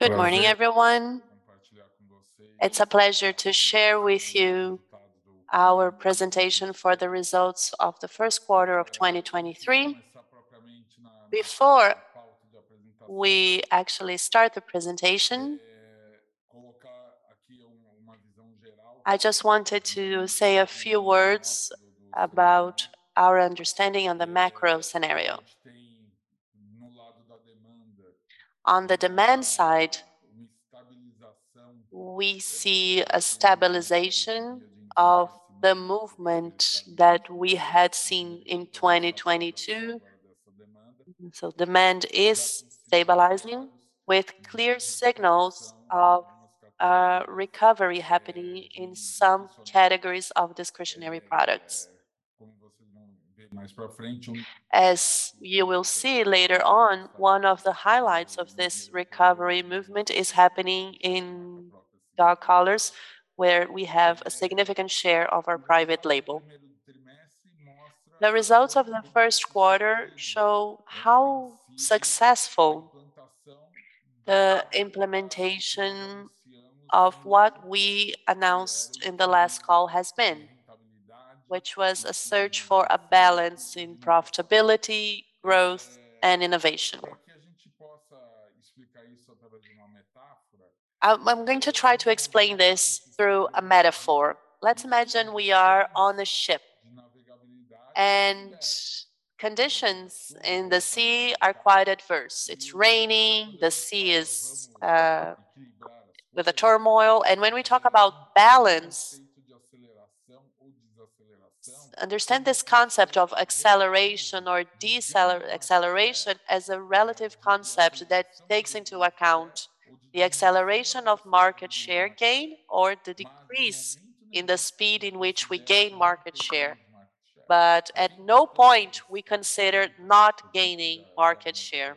Good morning, everyone. It's a pleasure to share with you our presentation for the results of the first quarter of 2023. We actually start the presentation, I just wanted to say a few words about our understanding on the macro scenario. On the demand side, we see a stabilization of the movement that we had seen in 2022. Demand is stabilizing with clear signals of recovery happening in some categories of discretionary products. As you will see later on, one of the highlights of this recovery movement is happening in dog collars, where we have a significant share of our private label. The results of the first quarter show how successful the implementation of what we announced in the last call has been, which was a search for a balance in profitability, growth, and innovation. I'm going to try to explain this through a metaphor. Let's imagine we are on a ship, and conditions in the sea are quite adverse. It's raining. The sea is with a turmoil. When we talk about balance, understand this concept of acceleration or deceler-acceleration as a relative concept that takes into account the acceleration of market share gain or the decrease in the speed in which we gain market share. At no point we consider not gaining market share.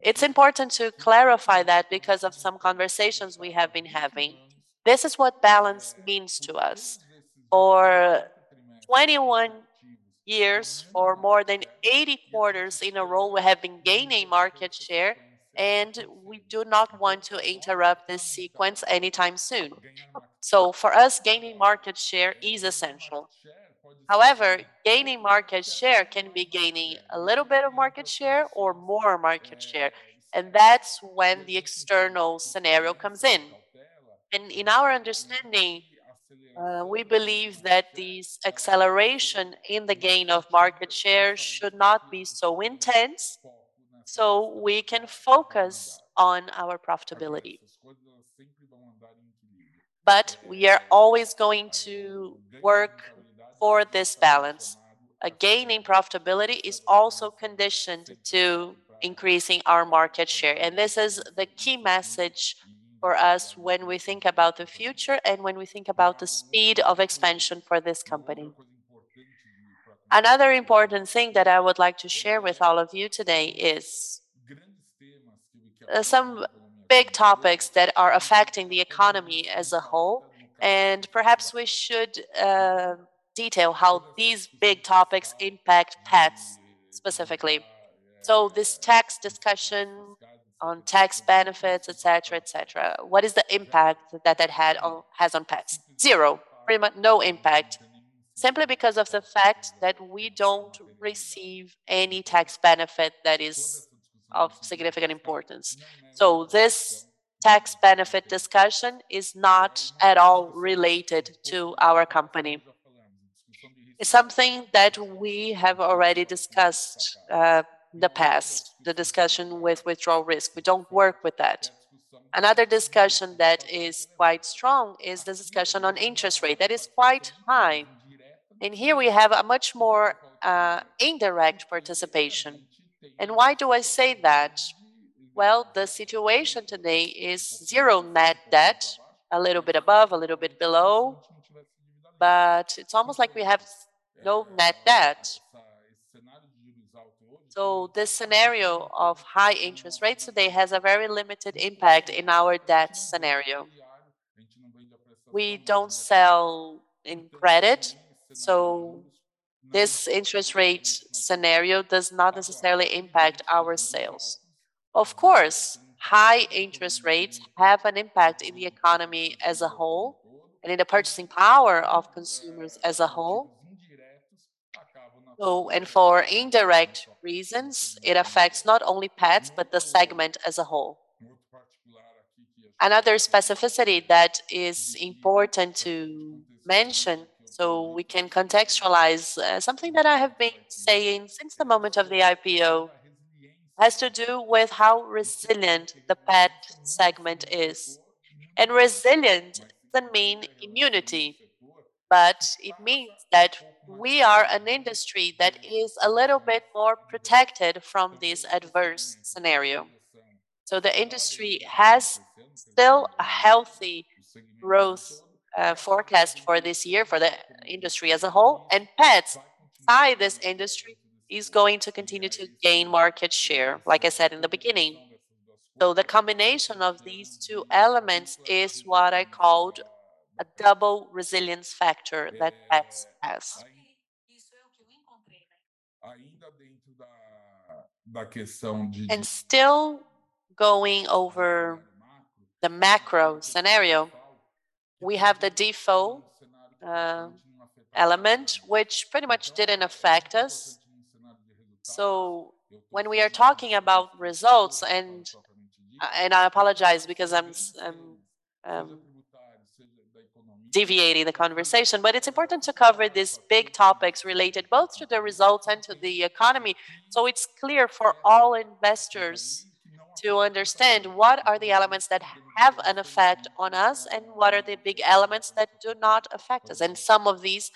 It's important to clarify that because of some conversations we have been having. This is what balance means to us. For 21 years, for more than 80 quarters in a row, we have been gaining market share, and we do not want to interrupt this sequence anytime soon. For us, gaining market share is essential. However, gaining market share can be gaining a little bit of market share or more market share, and that's when the external scenario comes in. In our understanding, we believe that this acceleration in the gain of market share should not be so intense, so we can focus on our profitability. We are always going to work for this balance. A gain in profitability is also conditioned to increasing our market share, and this is the key message for us when we think about the future and when we think about the speed of expansion for this company. Another important thing that I would like to share with all of you today is some big topics that are affecting the economy as a whole, and perhaps we should detail how these big topics impact pets specifically. This tax discussion on tax benefits, et cetera, et cetera, what is the impact that that has on Petz? 0. No impact. Simply because of the fact that we don't receive any tax benefit that is of significant importance. This tax benefit discussion is not at all related to our company. It's something that we have already discussed, the past, the discussion with withdrawal risk. We don't work with that. Another discussion that is quite strong is the discussion on interest rate. That is quite high. Here we have a much more indirect participation. Why do I say that? Well, the situation today is zero net debt, a little bit above, a little bit below, but it's almost like we have no net debt. The scenario of high interest rates today has a very limited impact in our debt scenario. We don't sell in credit, so this interest rate scenario does not necessarily impact our sales. Of course, high interest rates have an impact in the economy as a whole and in the purchasing power of consumers as a whole. For indirect reasons, it affects not only pets, but the segment as a whole. Another specificity that is important to mention so we can contextualize something that I have been saying since the moment of the IPO, has to do with how resilient the pet segment is. Resilient doesn't mean immunity, but it means that we are an industry that is a little bit more protected from this adverse scenario. The industry has still a healthy growth forecast for this year for the industry as a whole, and Petz inside this industry is going to continue to gain market share, like I said in the beginning. The combination of these two elements is what I called a double resilience factor that Petz has. Still going over the macro scenario, we have the default element which pretty much didn't affect us. When we are talking about results and I apologize because I'm deviating the conversation, but it's important to cover these big topics related both to the results and to the economy, so it's clear for all investors to understand what are the elements that have an effect on us and what are the big elements that do not affect us, and some of these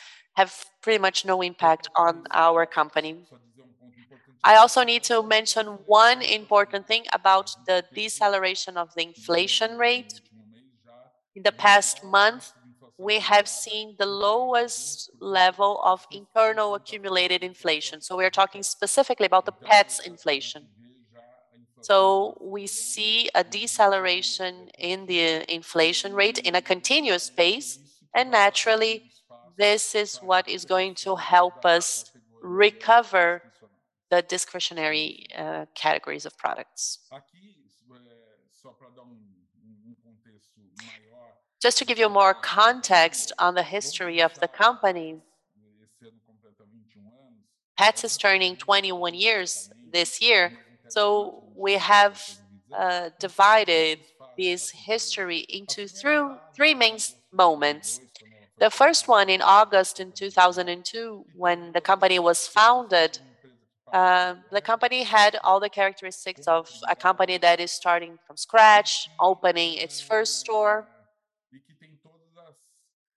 have pretty much no impact on our company. I also need to mention one important thing about the deceleration of the inflation rate. In the past month, we have seen the lowest level of internal accumulated inflation. We're talking specifically about the Petz inflation. We see a deceleration in the inflation rate in a continuous pace, and naturally this is what is going to help us recover the discretionary categories of products. To give you more context on the history of the company, Petz is turning 21 years this year, we have divided this history into through three main moments. The first one in August in 2002 when the company was founded, the company had all the characteristics of a company that is starting from scratch, opening its first store,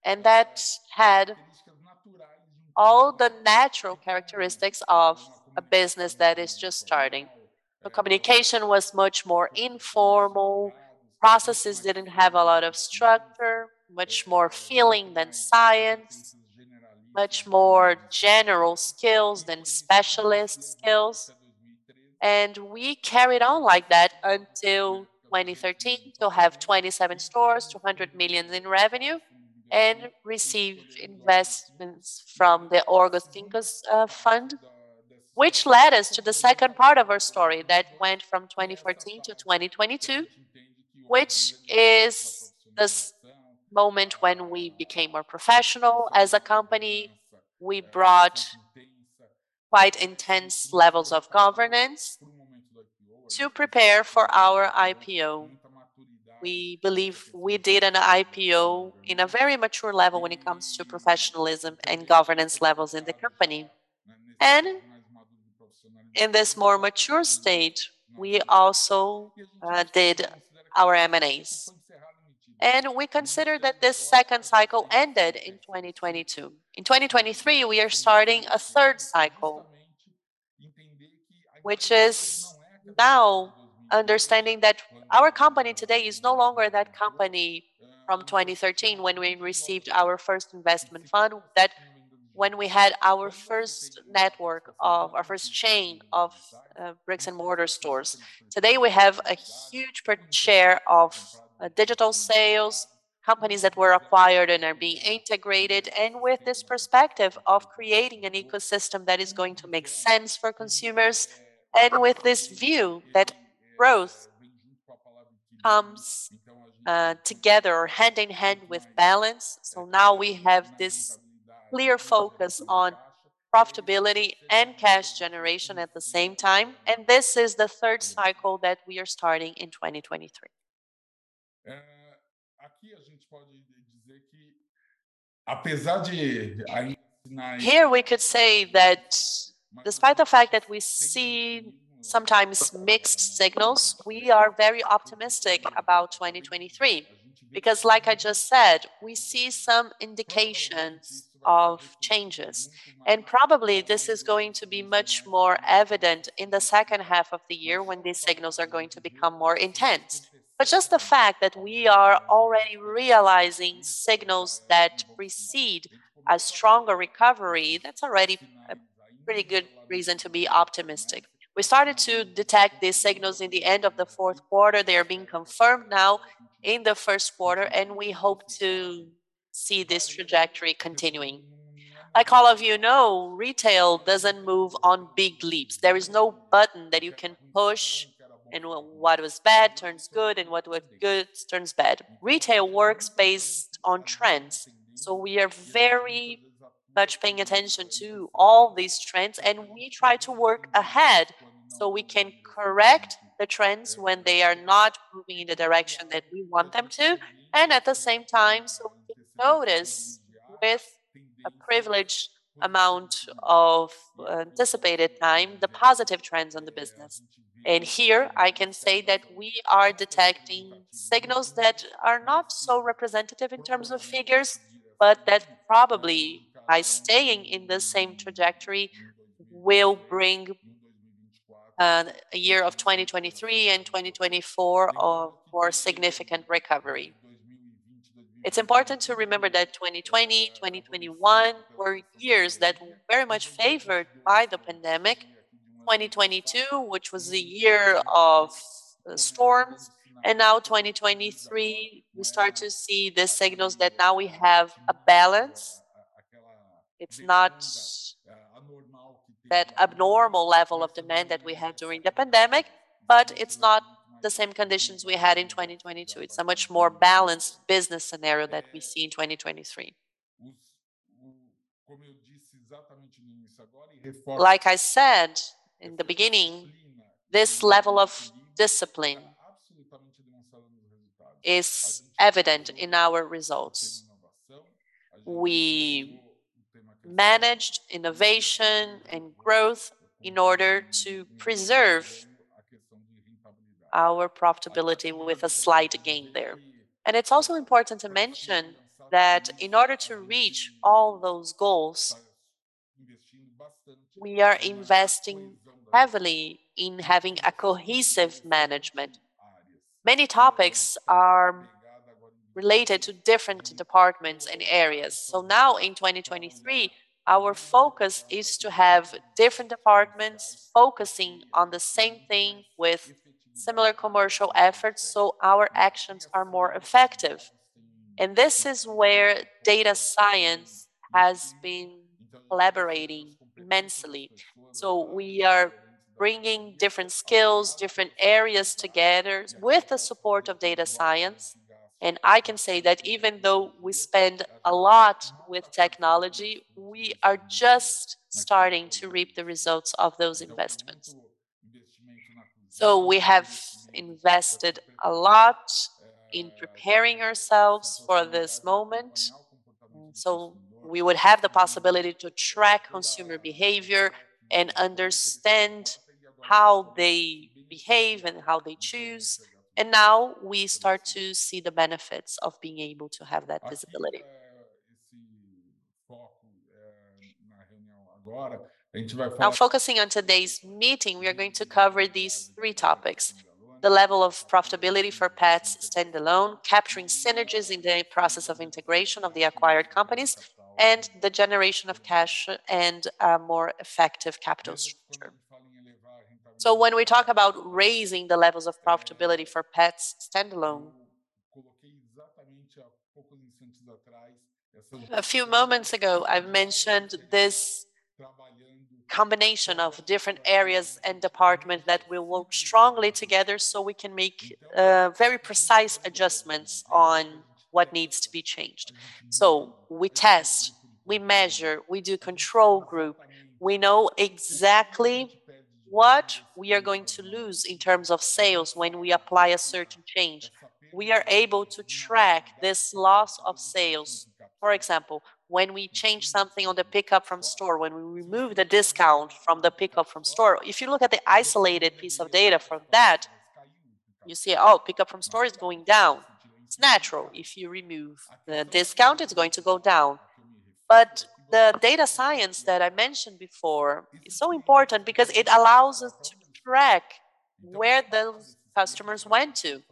and that had all the natural characteristics of a business that is just starting. The communication was much more informal. Processes didn't have a lot of structure. Much more feeling than science. Much more general skills than specialist skills. We carried on like that until 2013 to have 27 stores, 200 million in revenue, and received investments from the OrgAsinkas fund, which led us to the second part of our story that went from 2014-2022, which is this moment when we became more professional as a company. We brought quite intense levels of governance to prepare for our IPO. We believe we did an IPO in a very mature level when it comes to professionalism and governance levels in the company. In this more mature state, we also did our M&As. We consider that this second cycle ended in 2022. In 2023, we are starting a third cycle, which is now understanding that our company today is no longer that company from 2013 when we received our first investment fund, that when we had our first network of our first chain of bricks-and-mortar stores. Today, we have a huge per share of digital sales, companies that were acquired and are being integrated, and with this perspective of creating an ecosystem that is going to make sense for consumers. With this view that growth comes together hand in hand with balance. Now we have this clear focus on profitability and cash generation at the same time, and this is the third cycle that we are starting in 2023. Here we could say that despite the fact that we see sometimes mixed signals, we are very optimistic about 2023 because, like I just said, we see some indications of changes, and probably this is going to be much more evident in the second half of the year when these signals are going to become more intense. Just the fact that we are already realizing signals that precede a stronger recovery, that's already a pretty good reason to be optimistic. We started to detect these signals in the end of the fourth quarter. They are being confirmed now in the first quarter, and we hope to see this trajectory continuing. Like all of you know, retail doesn't move on big leaps. There is no button that you can push and what was bad turns good and what was good turns bad. Retail works based on trends, so we are very much paying attention to all these trends, and we try to work ahead so we can correct the trends when they are not moving in the direction that we want them to. At the same time, we notice with a privileged amount of anticipated time, the positive trends on the business. Here I can say that we are detecting signals that are not so representative in terms of figures, but that probably by staying in the same trajectory will bring a year of 2023 and 2024 of more significant recovery. It's important to remember that 2020, 2021 were years that were very much favored by the pandemic. 2022, which was the year of storms, and now 2023 we start to see the signals that now we have a balance. It's not that abnormal level of demand that we had during the pandemic, but it's not the same conditions we had in 2022. It's a much more balanced business scenario that we see in 2023. Like I said in the beginning, this level of discipline is evident in our results. We managed innovation and growth in order to preserve our profitability with a slight gain there. It's also important to mention that in order to reach all those goals, we are investing heavily in having a cohesive management. Many topics are related to different departments and areas. Now in 2023, our focus is to have different departments focusing on the same thing with similar commercial efforts. Our actions are more effective. This is where data science has been collaborating immensely. We are bringing different skills, different areas together with the support of data science. I can say that even though we spend a lot with technology, we are just starting to reap the results of those investments. We have invested a lot in preparing ourselves for this moment, so we would have the possibility to track consumer behavior and understand how they behave and how they choose. Now we start to see the benefits of being able to have that visibility. Now focusing on today's meeting, we are going to cover these three topics: the level of profitability for Petz standalone, capturing synergies in the process of integration of the acquired companies, and the generation of cash and a more effective capital structure. When we talk about raising the levels of profitability for Petz standalone... A few moments ago, I mentioned this combination of different areas and departments that will work strongly together so we can make very precise adjustments on what needs to be changed. We test, we measure, we do control group. We know exactly what we are going to lose in terms of sales when we apply a certain change. We are able to track this loss of sales. For example, when we change something on the pickup-from-store, when we remove the discount from the pickup-from-store. If you look at the isolated piece of data from that, you see, pickup-from-store is going down. It's natural. If you remove the discount, it's going to go down. The data science that I mentioned before is so important because it allows us to track where those customers went to.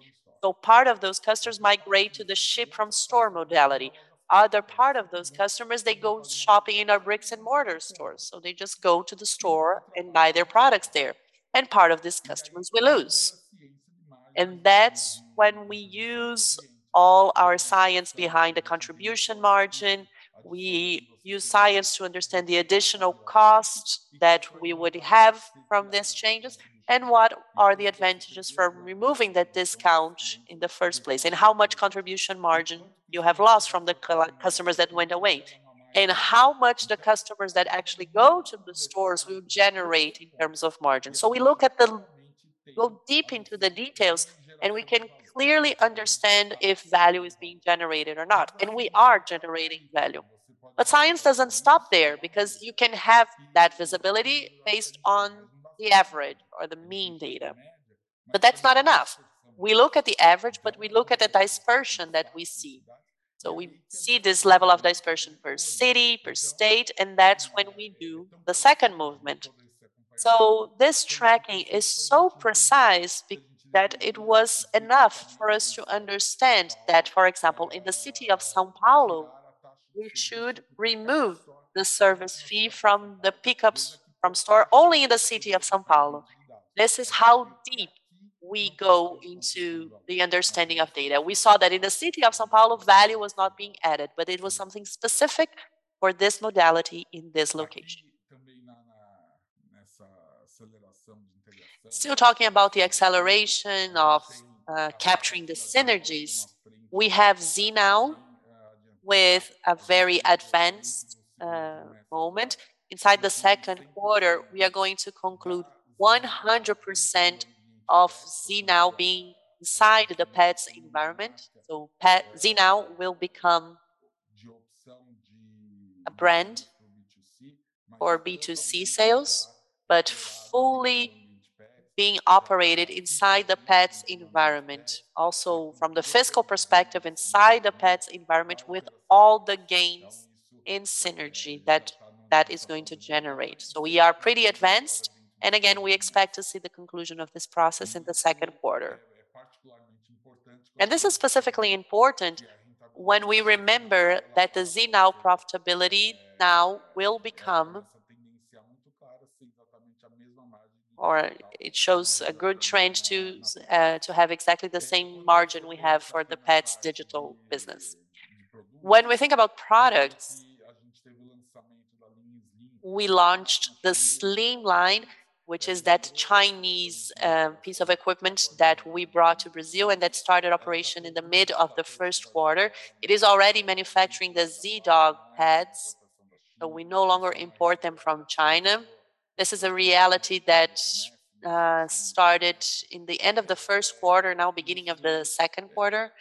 Part of those customers migrate to the ship from store modality. Other part of those customers, they go shopping in our bricks-and-mortar stores. They just go to the store and buy their products there. Part of these customers we lose. That's when we use all our science behind the contribution margin. We use science to understand the additional cost that we would have from these changes, and what are the advantages for removing that discount in the first place, and how much contribution margin you have lost from the customers that went away, and how much the customers that actually go to the stores will generate in terms of margin. Go deep into the details, and we can clearly understand if value is being generated or not, and we are generating value. Science doesn't stop there because you can have that visibility based on the average or the mean data, but that's not enough. We look at the average, but we look at the dispersion that we see. We see this level of dispersion per city, per state, and that's when we do the second movement. This tracking is so precise that it was enough for us to understand that, for example, in the city of São Paulo, we should remove the service fee from the pickups from store only in the city of São Paulo. This is how deep we go into the understanding of data. We saw that in the city of São Paulo, value was not being added, but it was something specific for this modality in this location. Still talking about the acceleration of capturing the synergies, we have Zee.Now with a very advanced moment. Inside the second quarter, we are going to conclude 100% of Zee.Now being inside the Petz environment. Zee.Now will become a brand for B2C sales, but fully being operated inside the Petz environment. Also from the fiscal perspective inside the Petz environment with all the gains in synergy that that is going to generate. We are pretty advanced, and again, we expect to see the conclusion of this process in the second quarter. This is specifically important when we remember that the Zee.Now profitability now it shows a good trend to have exactly the same margin we have for the Petz digital business. When we think about products, we launched the Slim line, which is that Chinese piece of equipment that we brought to Brazil and that started operation in the mid of the first quarter. It is already manufacturing the Zee.Dog pads. We no longer import them from China. This is a reality that started in the end of the first quarter, now beginning of the second quarter.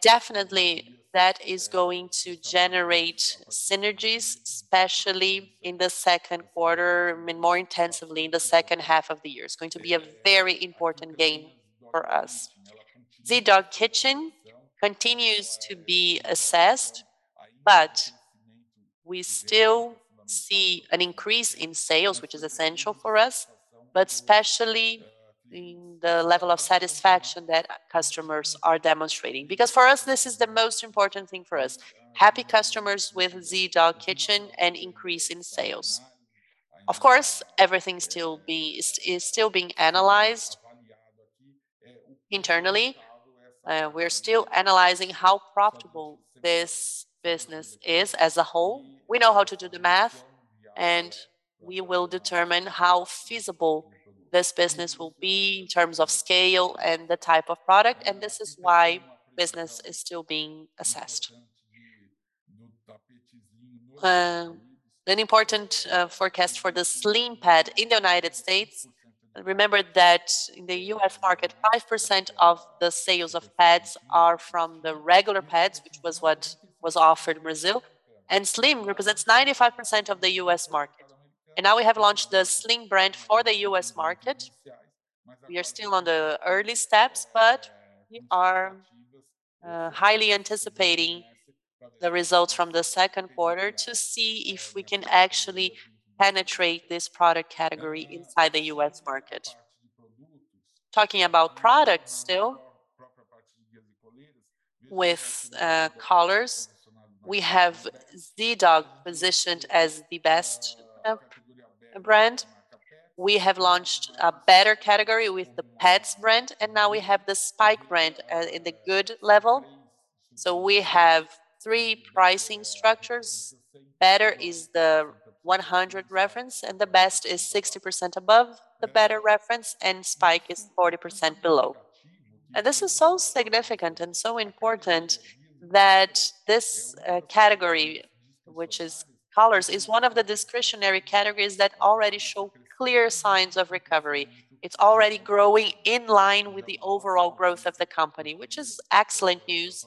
Definitely that is going to generate synergies, especially in the second quarter, I mean more intensively in the second half of the year. It's going to be a very important gain for us. Zee.Dog Kitchen continues to be assessed. We still see an increase in sales, which is essential for us, but especially in the level of satisfaction that customers are demonstrating. For us, this is the most important thing for us, happy customers with Zee.Dog Kitchen and increase in sales. Of course, everything is still being analyzed internally. We're still analyzing how profitable this business is as a whole. We know how to do the math, and we will determine how feasible this business will be in terms of scale and the type of product, and this is why business is still being assessed. An important forecast for the Slim pad in the United States. Remember that in the U.S. market, 5% of the sales of pads are from the regular pads, which was what was offered in Brazil, and Slim represents 95% of the U.S. market. Now we have launched the Slim brand for the U.S. market. We are still on the early steps, we are highly anticipating the results from the second quarter to see if we can actually penetrate this product category inside the U.S. market. Talking about products still, with collars, we have Zee.Dog positioned as the best brand. We have launched a better category with the Petz brand, now we have the Spike brand in the good level. We have three pricing structures. Better is the 100 reference, and the best is 60% above the better reference, and Spike is 40% below. This is so significant and so important that this category, which is collars, is one of the discretionary categories that already show clear signs of recovery. It's already growing in line with the overall growth of the company, which is excellent news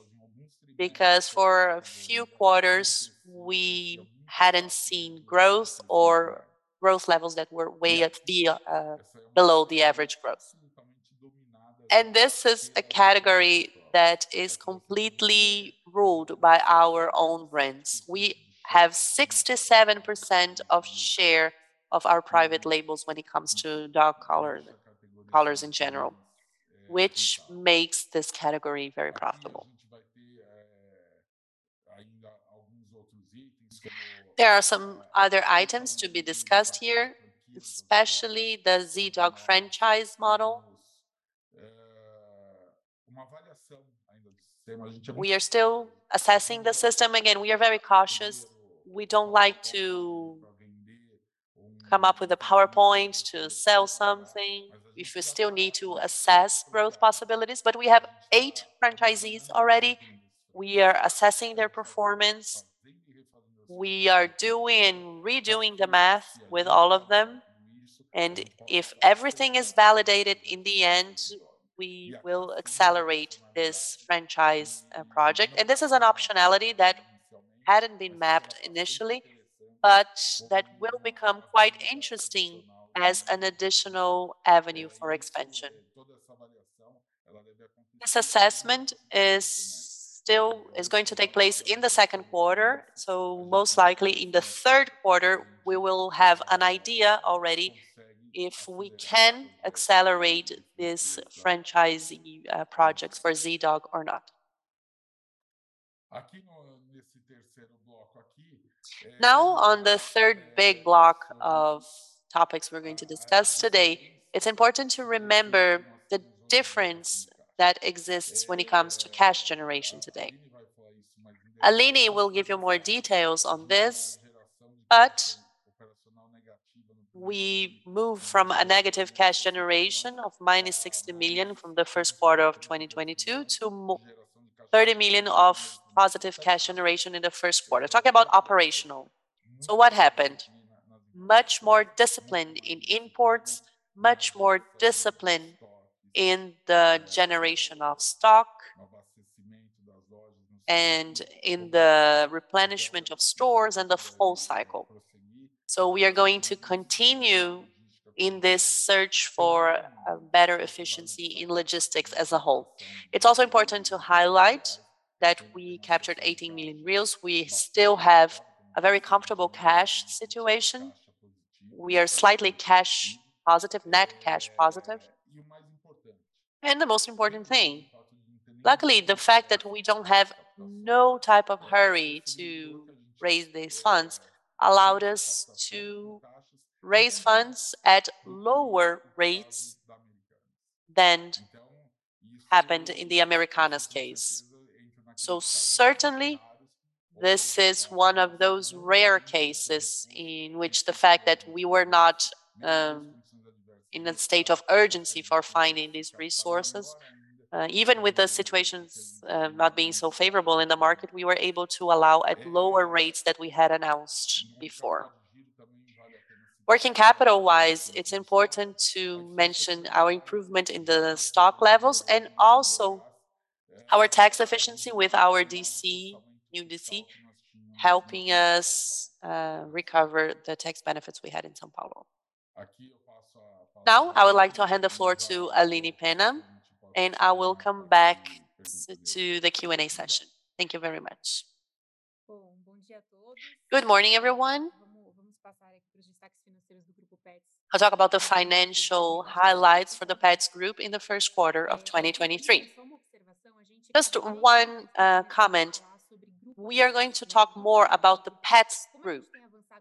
because for a few quarters we hadn't seen growth or growth levels that were way at the below the average growth. This is a category that is completely ruled by our own brands. We have 67% of share of our private labels when it comes to dog collar, collars in general, which makes this category very profitable. There are some other items to be discussed here, especially the Zee.Dog franchise model. We are still assessing the system. Again, we are very cautious. We don't like to come up with a PowerPoint to sell something if we still need to assess growth possibilities. We have eight franchisees already. We are assessing their performance. We are doing and redoing the math with all of them. If everything is validated in the end, we will accelerate this franchise project. This is an optionality that hadn't been mapped initially, but that will become quite interesting as an additional avenue for expansion. This assessment is going to take place in the second quarter, so most likely in the third quarter we will have an idea already if we can accelerate this franchisee projects for Zee.Dog or not. On the third big block of topics we're going to discuss today, it's important to remember the difference that exists when it comes to cash generation today. Aline will give you more details on this, but we move from a negative cash generation of -60 million from the first quarter of 2022 to 30 million of positive cash generation in the first quarter. Talk about operational. What happened? Much more discipline in imports, much more discipline in the generation of stock and in the replenishment of stores and the full cycle. We are going to continue in this search for a better efficiency in logistics as a whole. It's also important to highlight that we captured 18 million. We still have a very comfortable cash situation. We are slightly cash positive, net cash positive. The most important thingLuckily, the fact that we don't have no type of hurry to raise these funds allowed us to raise funds at lower rates than happened in the Americanas case. Certainly, this is one of those rare cases in which the fact that we were not in a state of urgency for finding these resources, even with the situations not being so favorable in the market, we were able to allow at lower rates that we had announced before. Working capital-wise, it's important to mention our improvement in the stock levels and also our tax efficiency with our DC, new DC, helping us recover the tax benefits we had in São Paulo. I would like to hand the floor to Aline Penna, and I will come back to the Q&A session. Thank you very much. Good morning, everyone. I'll talk about the financial highlights for the Petz Group in the first quarter of 2023. Just one comment. We are going to talk more about the Petz Group.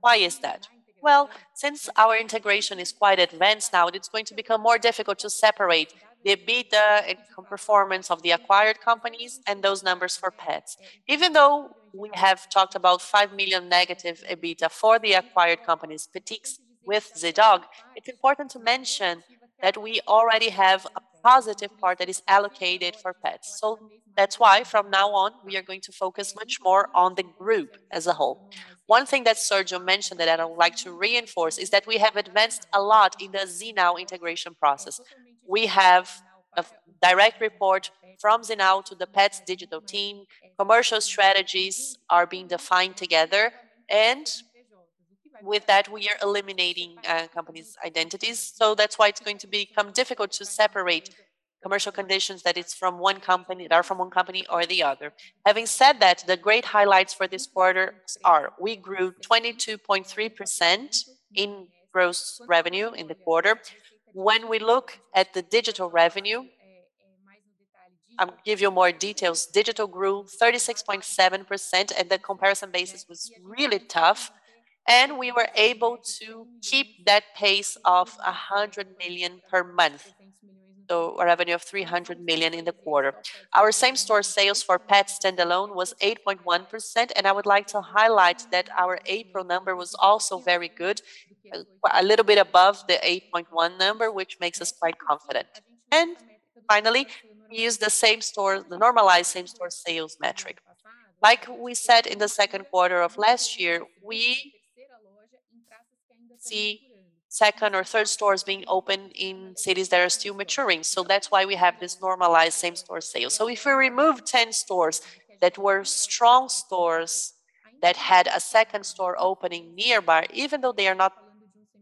Why is that? Well, since our integration is quite advanced now, it's going to become more difficult to separate the EBITDA and performance of the acquired companies and those numbers for Petz. Even though we have talked about 5 million negative EBITDA for the acquired companies, Petix with Zee.Dog, it's important to mention that we already have a positive part that is allocated for Petz. That's why from now on, we are going to focus much more on the group as a whole. One thing that Sergio mentioned that I would like to reinforce is that we have advanced a lot in the Zee.Now integration process. We have a direct report from Zee.Now to the Petz digital team. Commercial strategies are being defined together, and with that, we are eliminating companies' identities. That's why it's going to become difficult to separate commercial conditions that are from one company or the other. Having said that, the great highlights for this quarter are we grew 22.3% in gross revenue in the quarter. When we look at the digital revenue, I'll give you more details. Digital grew 36.7%, the comparison basis was really tough. We were able to keep that pace of 100 million per month, so a revenue of 300 million in the quarter. Our same-store sales for Petz standalone was 8.1%, and I would like to highlight that our April number was also very good, a little bit above the 8.1 number, which makes us quite confident. Finally, we use the normalized same-store sales metric. Like we said in the second quarter quarter of last year, we see second or third stores being opened in cities that are still maturing. That's why we have this normalized same-store sales. If we remove 10 stores that were strong stores that had a second store opening nearby, even though they are not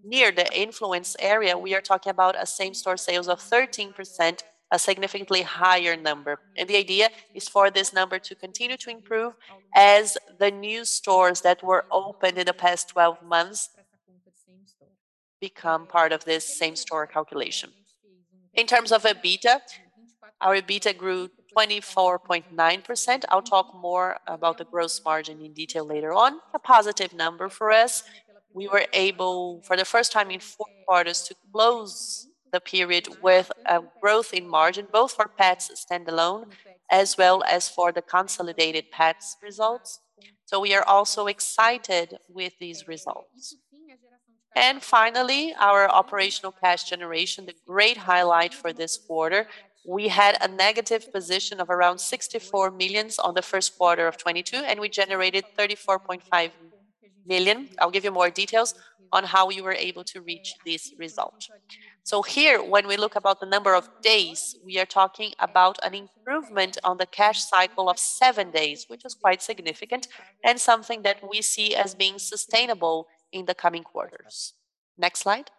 near the influence area, we are talking about a same-store sales of 13%, a significantly higher number. The idea is for this number to continue to improve as the new stores that were opened in the past 12 months become part of this same-store calculation. In terms of EBITDA, our EBITDA grew 24.9%. I'll talk more about the gross margin in detail later on. A positive number for us. We were able, for the first time in four quarters, to close the period with a growth in margin, both for Petz standalone as well as for the consolidated Petz results. We are also excited with these results. Finally, our operational cash generation, the great highlight for this quarter. We had a negative position of around 64 million on the first quarter of 2022, and we generated 34.5 million. I'll give you more details on how we were able to reach this result. Here, when we look about the number of days, we are talking about an improvement on the cash cycle of seven days, which is quite significant and something that we see as being sustainable in the coming quarters. Next slide.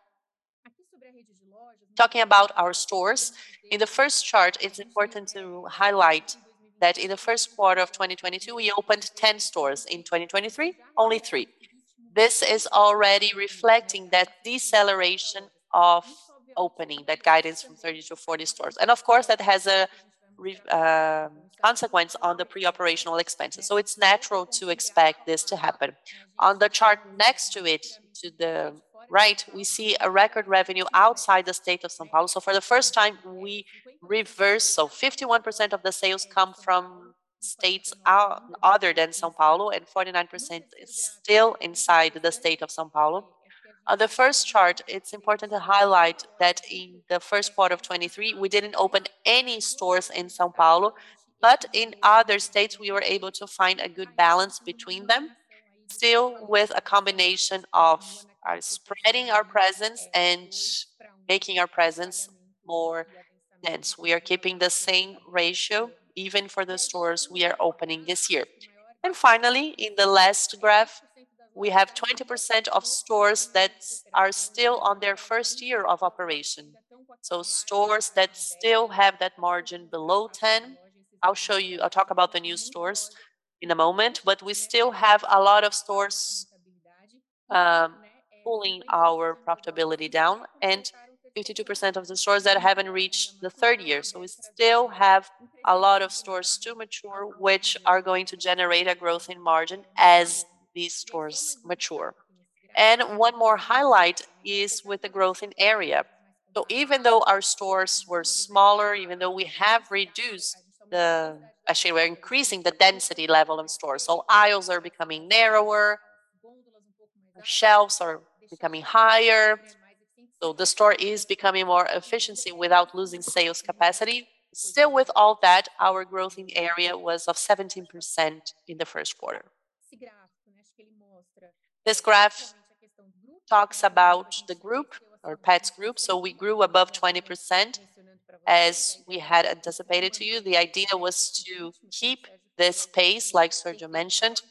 Talking about our stores. In the first chart, it's important to highlight that in the first quarter of 2022, we opened 10 stores. In 2023, only three. This is already reflecting that deceleration of opening, that guidance from 30-40 stores. Of course, that has a consequence on the pre-operational expenses. It's natural to expect this to happen. On the chart next to it, to the right, we see a record revenue outside the state of São Paulo. For the first time, we reversed. 51% of the sales come from states other than São Paulo. 49% is still inside the state of São Paulo. On the first chart, it's important to highlight that in the first quarter of 2023, we didn't open any stores in São Paulo, but in other states, we were able to find a good balance between them, still with a combination of spreading our presence and making our presence more dense. We are keeping the same ratio even for the stores we are opening this year. Finally, in the last graph, we have 20% of stores that are still on their first year of operation, so stores that still have that margin below 10%. I'll talk about the new stores in a moment, but we still have a lot of stores pulling our profitability down and 52% of the stores that haven't reached the third year. We still have a lot of stores to mature, which are going to generate a growth in margin as these stores mature. One more highlight is with the growth in area. Even though our stores were smaller, even though we have reduced. Actually, we're increasing the density level of stores. Aisles are becoming narrower, shelves are becoming higher, the store is becoming more efficiency without losing sales capacity. Still with all that, our growth in area was of 17% in the first quarter. This graph talks about the group or Petz group. We grew above 20% as we had anticipated to you. The idea was to keep this pace, like Sergio mentioned.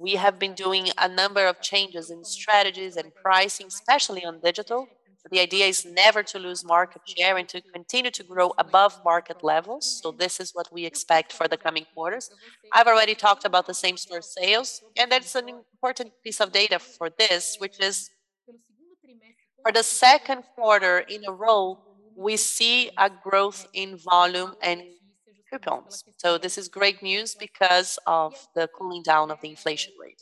We have been doing a number of changes in strategies and pricing, especially on digital. The idea is never to lose market share and to continue to grow above market levels. This is what we expect for the coming quarters. I've already talked about the same-store sales, and that's an important piece of data for this, which is for the second quarter in a row, we see a growth in volume and coupons. This is great news because of the cooling down of the inflation rate.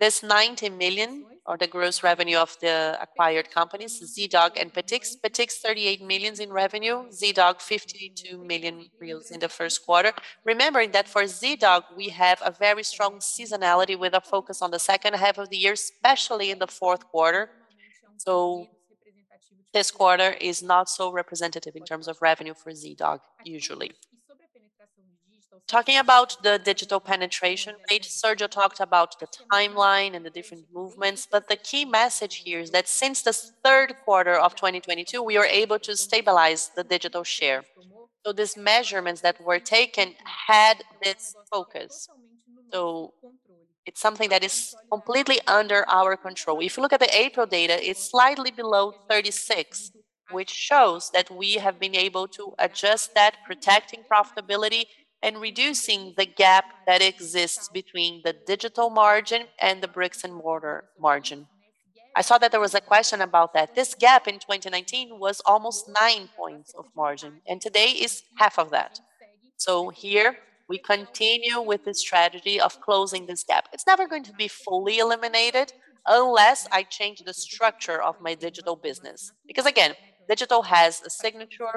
This 90 million or the gross revenue of the acquired companies, Zee.Dog and Petix. Petix, 38 million in revenue, Zee.Dog, 52 million in the first quarter. Remembering that for Zee.Dog, we have a very strong seasonality with a focus on the second half of the year, especially in the fourth quarter. This quarter is not so representative in terms of revenue for Zee.Dog, usually. Talking about the digital penetration rate, Sergio talked about the timeline and the different movements, but the key message here is that since the third quarter of 2022, we are able to stabilize the digital share. These measurements that were taken had this focus. It's something that is completely under our control. If you look at the April data, it's slightly below 36%, which shows that we have been able to adjust that, protecting profitability and reducing the gap that exists between the digital margin and the bricks-and-mortar margin. I saw that there was a question about that. This gap in 2019 was almost nine points of margin, and today is half of that. Here we continue with the strategy of closing this gap. It's never going to be fully eliminated unless I change the structure of my digital business because again, digital has a signature.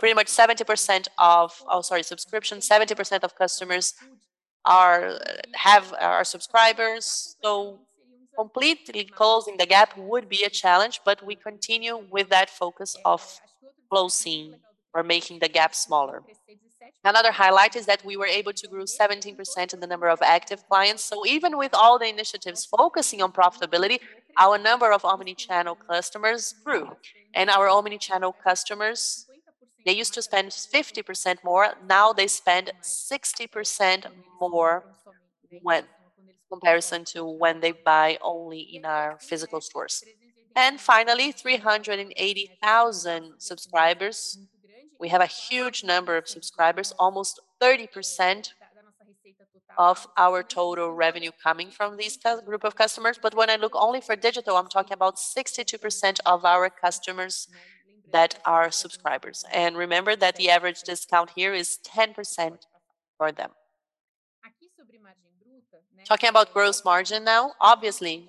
Pretty much 70% of... Oh, sorry, subscription, 70% of customers have our subscribers. Completely closing the gap would be a challenge, but we continue with that focus of closing or making the gap smaller. Another highlight is that we were able to grow 17% in the number of active clients. Even with all the initiatives focusing on profitability, our number of omni-channel customers grew. Our omni-channel customers, they used to spend 50% more. Now they spend 60% more when comparison to when they buy only in our physical stores. Finally, 380,000 subscribers. We have a huge number of subscribers, almost 30% of our total revenue coming from this group of customers. When I look only for digital, I'm talking about 62% of our customers that are subscribers. Remember that the average discount here is 10% for them. Talking about gross margin now, obviously,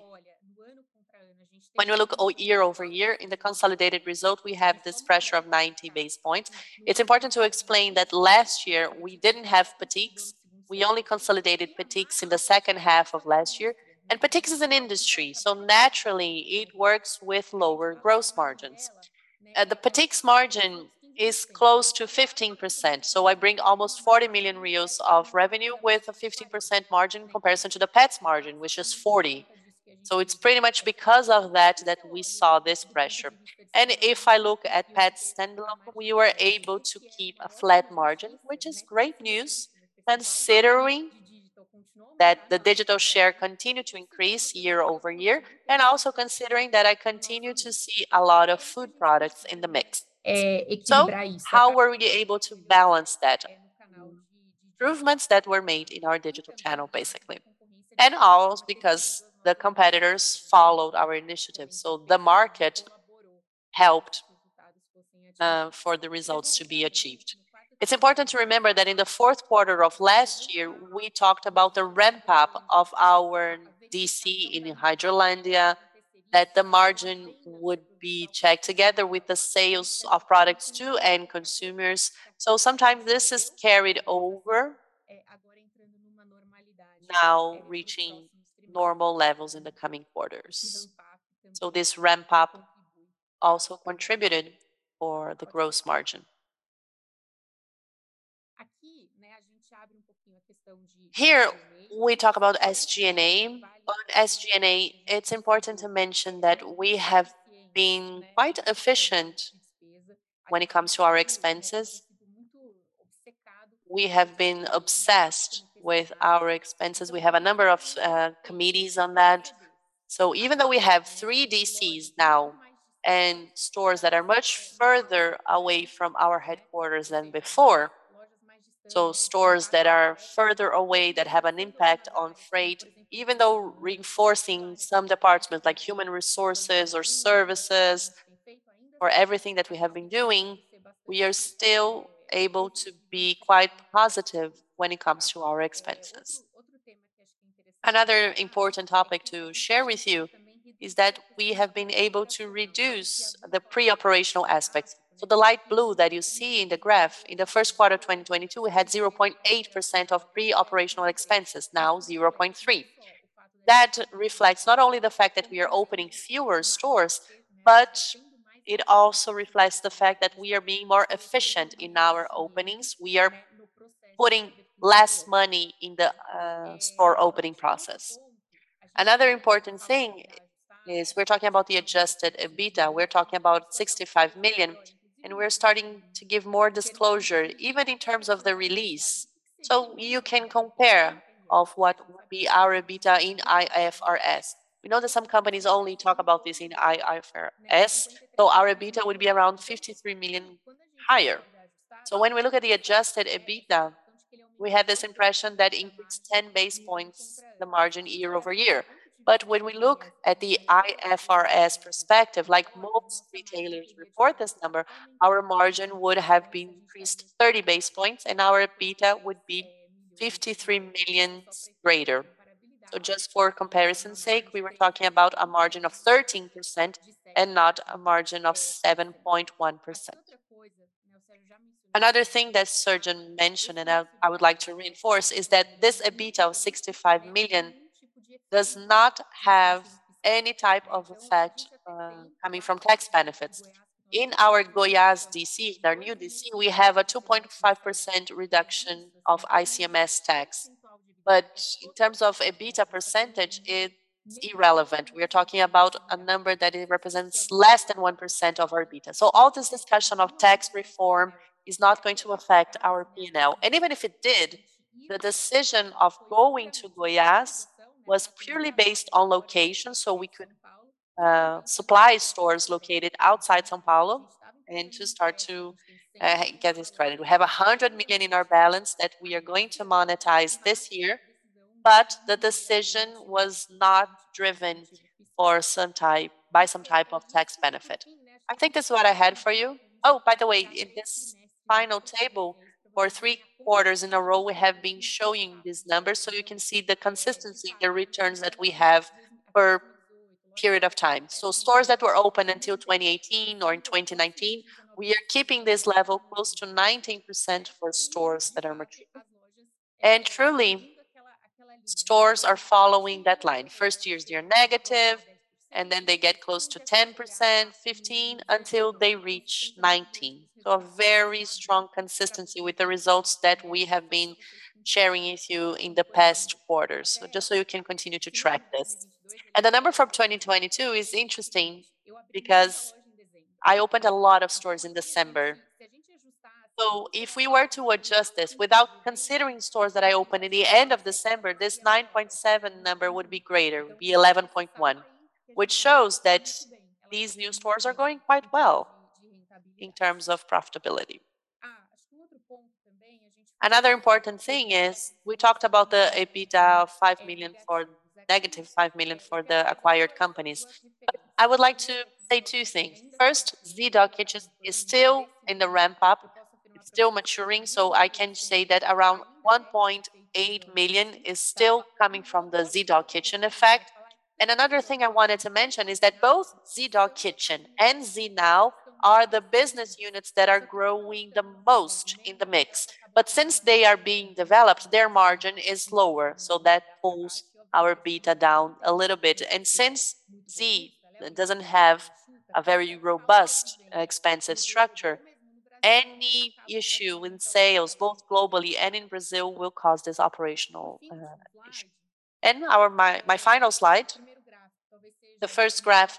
when we look year over year in the consolidated result, we have this pressure of 90 basis points. It's important to explain that last year we didn't have Petix. We only consolidated Petix in the second half of last year. Petix is an industry, so naturally it works with lower gross margins. The Petix margin is close to 15%, so I bring almost 40 million reais of revenue with a 15% margin comparison to the Petz margin, which is 40%. It's pretty much because of that that we saw this pressure. If I look at Petz standalone, we were able to keep a flat margin, which is great news considering that the digital share continued to increase year-over-year, and also considering that I continue to see a lot of food products in the mix. How were we able to balance that? Improvements that were made in our digital channel, basically. Also because the competitors followed our initiative, so the market helped for the results to be achieved. It's important to remember that in the fourth quarter of last year, we talked about the ramp-up of our DC in Hidrolândia, that the margin would be checked together with the sales of products to end consumers. Sometimes this is carried over, now reaching normal levels in the coming quarters. This ramp-up also contributed for the gross margin. Here we talk about SG&A. On SG&A, it's important to mention that we have been quite efficient when it comes to our expenses. We have been obsessed with our expenses. We have a number of committees on that. Even though we have three DCs now and stores that are much further away from our headquarters than before. Stores that are further away that have an impact on freight, even though reinforcing some departments like human resources or services or everything that we have been doing, we are still able to be quite positive when it comes to our expenses. Another important topic to share with you is that we have been able to reduce the pre-operational aspects. The light blue that you see in the graph, in the first quarter of 2022, we had 0.8% of pre-operational expenses, now 0.3%. That reflects not only the fact that we are opening fewer stores, but it also reflects the fact that we are being more efficient in our openings. We are putting less money in the store opening process. Another important thing is we're talking about the Adjusted EBITDA. We're talking about 65 million, and we're starting to give more disclosure, even in terms of the release. You can compare of what would be our EBITDA in IFRS. We know that some companies only talk about this in IFRS, our EBITDA would be around 53 million higher. When we look at the Adjusted EBITDA, we have this impression that it increased 10 basis points the margin year-over-year. When we look at the IFRS perspective, like most retailers report this number, our margin would have increased 30 basis points, and our EBITDA would be 53 million greater. Just for comparison's sake, we were talking about a margin of 13% and not a margin of 7.1%. Another thing that Sergio mentioned, and I would like to reinforce, is that this EBITDA of 65 million does not have any type of effect coming from tax benefits. In our Goiás DC, in our new DC, we have a 2.5% reduction of ICMS tax. In terms of EBITDA percentage, it's irrelevant. We are talking about a number that represents less than 1% of our EBITDA. All this discussion of tax reform is not going to affect our P&L. Even if it did, the decision of going to Goiás was purely based on location, so we could supply stores located outside São Paulo and to start to get this credit. We have 100 million in our balance that we are going to monetize this year, but the decision was not driven by some type of tax benefit. I think that's what I had for you. By the way, in this final table, for three quarters in a row, we have been showing these numbers, so you can see the consistency, the returns that we have per period of time. Stores that were open until 2018 or in 2019, we are keeping this level close to 19% for stores that are mature. Truly, stores are following that line. First years, they are negative. Then they get close to 10%, 15%, until they reach 19%. A very strong consistency with the results that we have been sharing with you in the past quarters, just so you can continue to track this. The number from 2022 is interesting because I opened a lot of stores in December. If we were to adjust this without considering stores that I opened in the end of December, this 9.7 number would be greater. It would be 11.1, which shows that these new stores are going quite well in terms of profitability. Another important thing is we talked about the EBITDA of 5 million, -5 million for the acquired companies. I would like to say two things. First, Zee.Dog Kitchen is still in the ramp-up. It's still maturing. I can say that around 1.8 million is still coming from the Zee.Dog Kitchen effect. Another thing I wanted to mention is that both Zee.Dog Kitchen and Zee.Now are the business units that are growing the most in the mix. Since they are being developed, their margin is lower, so that pulls our EBITDA down a little bit. Since Zee doesn't have a very robust and expensive structure, any issue in sales, both globally and in Brazil, will cause this operational issue. My final slide, the first graph,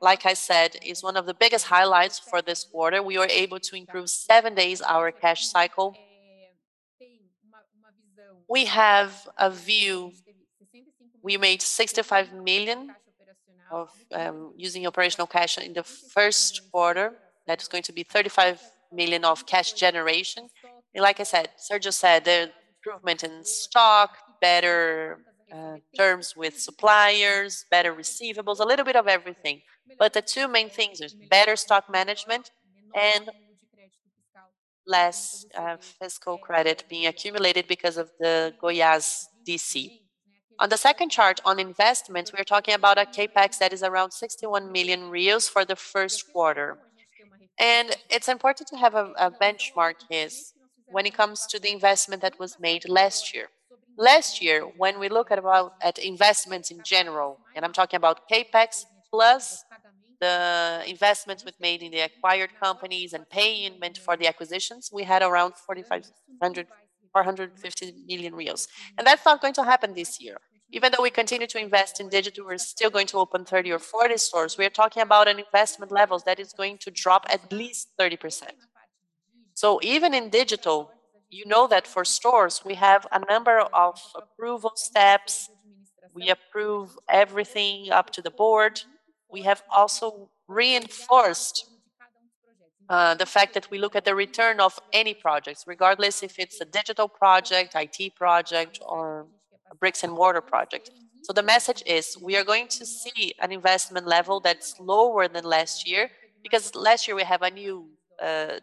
like I said, is one of the biggest highlights for this quarter. We were able to improve seven days our cash cycle. We have a view. We made 65 million of using operational cash in the first quarter. That is going to be 35 million of cash generation. Like I said, Sergio said the improvement in stock, better terms with suppliers, better receivables, a little bit of everything. The two main things is better stock management and less fiscal credit being accumulated because of the Goiás D.C. On the second chart on investments, we are talking about a CapEx that is around 61 million for the first quarter. It's important to have a benchmark is when it comes to the investment that was made last year. Last year, when we look at investments in general, and I'm talking about CapEx plus the investments we've made in the acquired companies and payment for the acquisitions, we had around 450 million reais. That's not going to happen this year. Even though we continue to invest in digital, we're still going to open 30 or 40 stores. We are talking about an investment levels that is going to drop at least 30%. Even in digital, you know that for stores, we have a number of approval steps. We approve everything up to the board. We have also reinforced the fact that we look at the return of any projects, regardless if it's a digital project, IT project or a bricks-and-mortar project. The message is, we are going to see an investment level that's lower than last year because last year we have a new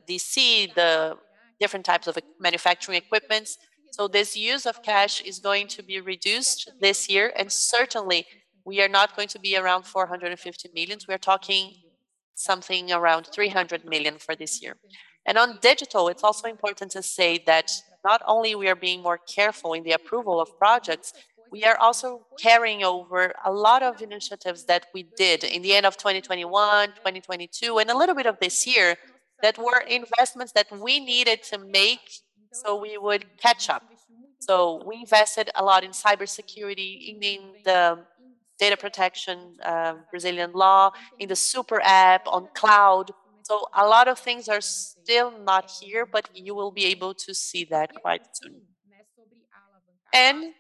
DC, the different types of manufacturing equipments. This use of cash is going to be reduced this year, and certainly we are not going to be around 450 million. We are talking something around 300 million for this year. On digital, it's also important to say that not only we are being more careful in the approval of projects, we are also carrying over a lot of initiatives that we did in the end of 2021, 2022, and a little bit of this year that were investments that we needed to make, so we would catch up. We invested a lot in cybersecurity, in the data protection, Brazilian law, in the super app, on cloud. A lot of things are still not here, but you will be able to see that quite soon.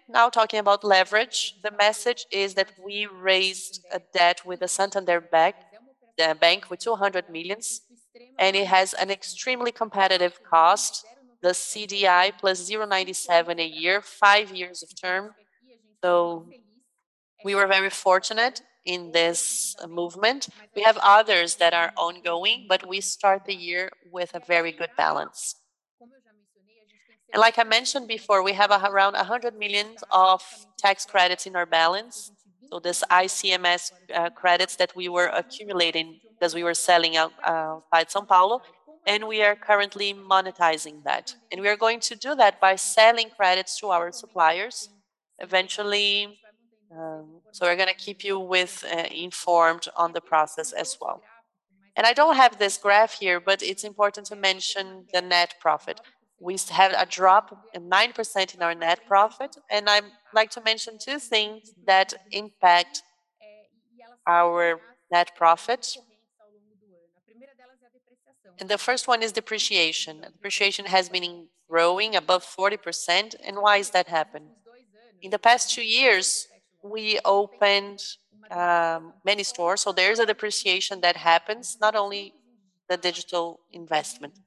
Now talking about leverage, the message is that we raised a debt with the Santander Bank, the bank with 200 million, and it has an extremely competitive cost, the CDI +0.97 a year, five years of term. We were very fortunate in this movement. We have others that are ongoing, but we start the year with a very good balance. Like I mentioned before, we have around 100 million of tax credits in our balance. This ICMS credits that we were accumulating as we were selling out at São Paulo, and we are currently monetizing that. We are going to do that by selling credits to our suppliers eventually. We're gonna keep you informed on the process as well. I don't have this graph here, but it's important to mention the net profit. We have a drop in 9% in our net profit. I like to mention two things that impact our net profit. The first one is depreciation. Depreciation has been growing above 40%. Why is that happen? In the past two years, we opened many stores. There is a depreciation that happens, not only the digital investment.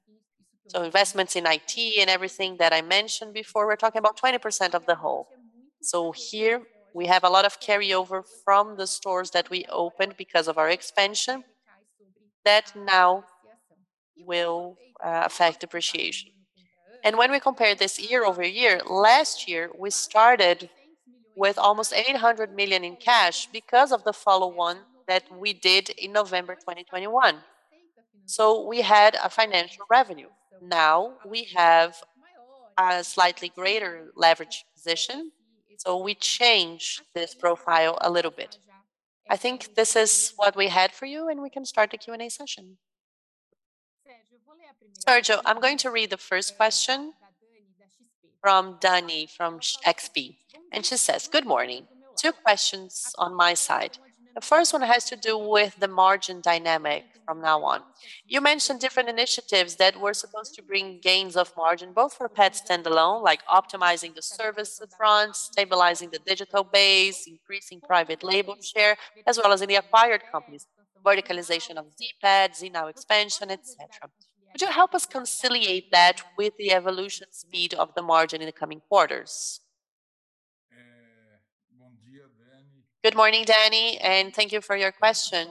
Investments in IT and everything that I mentioned before, we're talking about 20% of the whole. Here we have a lot of carryover from the stores that we opened because of our expansion that now will affect depreciation. When we compare this year-over-year, last year, we started with almost 800 million in cash because of the follow-on that we did in November 2021. We had a financial revenue. Now we have a slightly greater leverage position, so we change this profile a little bit. I think this is what we had for you, and we can start the Q&A session. Sergio, I'm going to read the first question from Dani from XP. She says, "Good morning. Two questions on my side. The first one has to do with the margin dynamic from now on. You mentioned different initiatives that were supposed to bring gains of margin, both for Petz standalone, like optimizing the service front, stabilizing the digital base, increasing private label share, as well as in the acquired companies, verticalization of Zé Petz, Zee.Now expansion, et cetera. Would you help us conciliate that with the evolution speed of the margin in the coming quarters?" Good morning, Dani, and thank you for your question.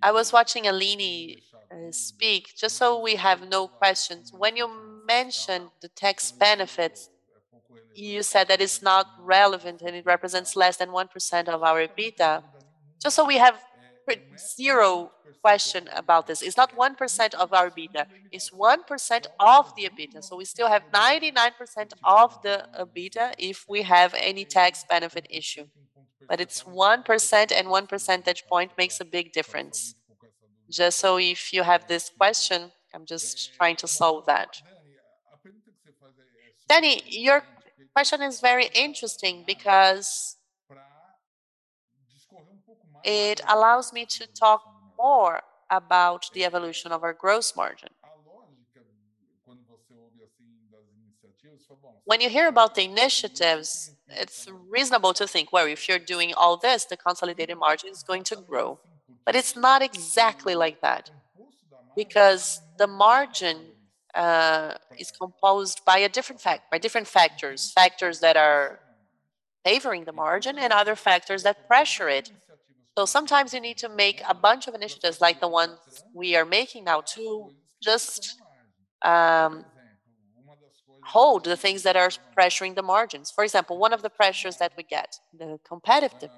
I was watching Aline speak, just so we have no questions. When you mentioned the tax benefits, you said that it's not relevant, and it represents less than 1% of our EBITDA. We have zero question about this, it's not 1% of our EBITDA, it's 1% of the EBITDA. We still have 99% of the EBITDA if we have any tax benefit issue. It's 1%, and one percentage point makes a big difference. If you have this question, I'm just trying to solve that. Dani, your question is very interesting because it allows me to talk more about the evolution of our gross margin. When you hear about the initiatives, it's reasonable to think, well, if you're doing all this, the consolidated margin is going to grow. It's not exactly like that because the margin is composed by different factors. Factors that are favoring the margin and other factors that pressure it. Sometimes you need to make a bunch of initiatives like the ones we are making now to just hold the things that are pressuring the margins. For example, one of the pressures that we get, the competitive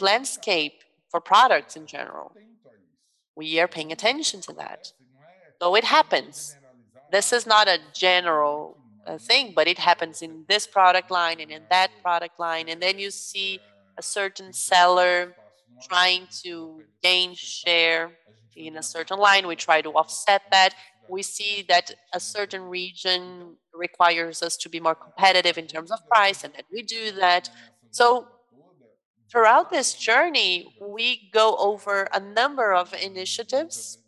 landscape for products in general. We are paying attention to that. It happens. This is not a general thing, but it happens in this product line and in that product line. You see a certain seller trying to gain share in a certain line. We try to offset that. We see that a certain region requires us to be more competitive in terms of price. We do that. Throughout this journey, we go over a number of initiatives,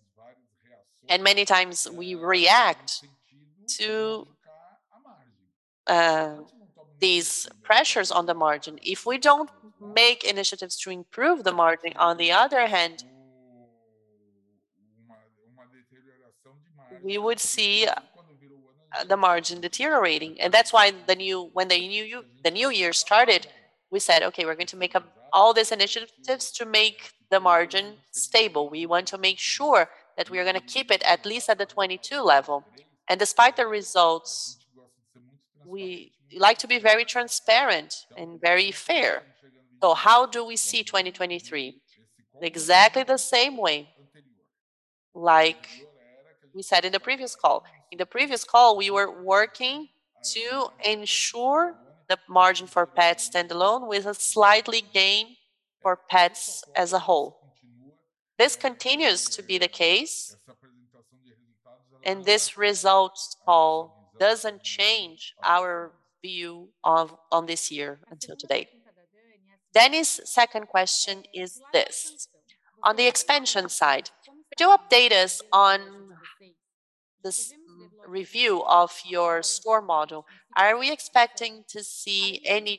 and many times we react to these pressures on the margin. If we don't make initiatives to improve the margin, on the other hand, we would see the margin deteriorating. That's why when the new year started, we said, "Okay, we're going to make up all these initiatives to make the margin stable. We want to make sure that we are gonna keep it at least at the 22 level." Despite the results, we like to be very transparent and very fair. How do we see 2023? Exactly the same way like we said in the previous call. In the previous call, we were working to ensure the margin for Petz standalone with a slightly gain for Petz as a whole. This continues to be the case, this results call doesn't change our view on this year until today. Dani's second question is this: "On the expansion side, could you update us on this review of your store model? Are we expecting to see any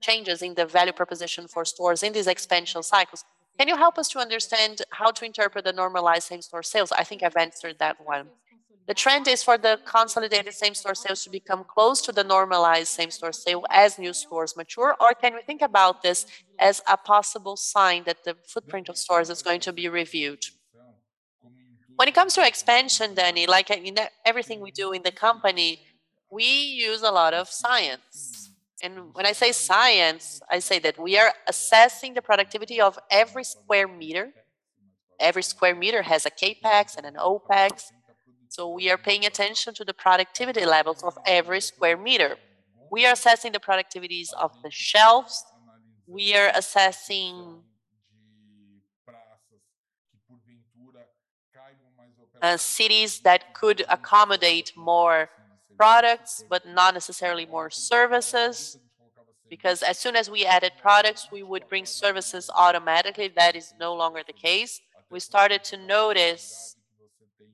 changes in the value proposition for stores in these expansion cycles? Can you help us to understand how to interpret the normalized same-store sales?" I think I've answered that one. "The trend is for the consolidated same-store sales to become close to the normalized same-store sale as new stores mature, can we think about this as a possible sign that the footprint of stores is going to be reviewed?" When it comes to expansion, Danny, like in everything we do in the company, we use a lot of science. When I say science, I say that we are assessing the productivity of every square meter. Every square meter has a CapEx and an OpEx. We are paying attention to the productivity levels of every square meter. We are assessing the productivities of the shelves. We are assessing cities that could accommodate more products, but not necessarily more services, because as soon as we added products, we would bring services automatically. That is no longer the case. We started to notice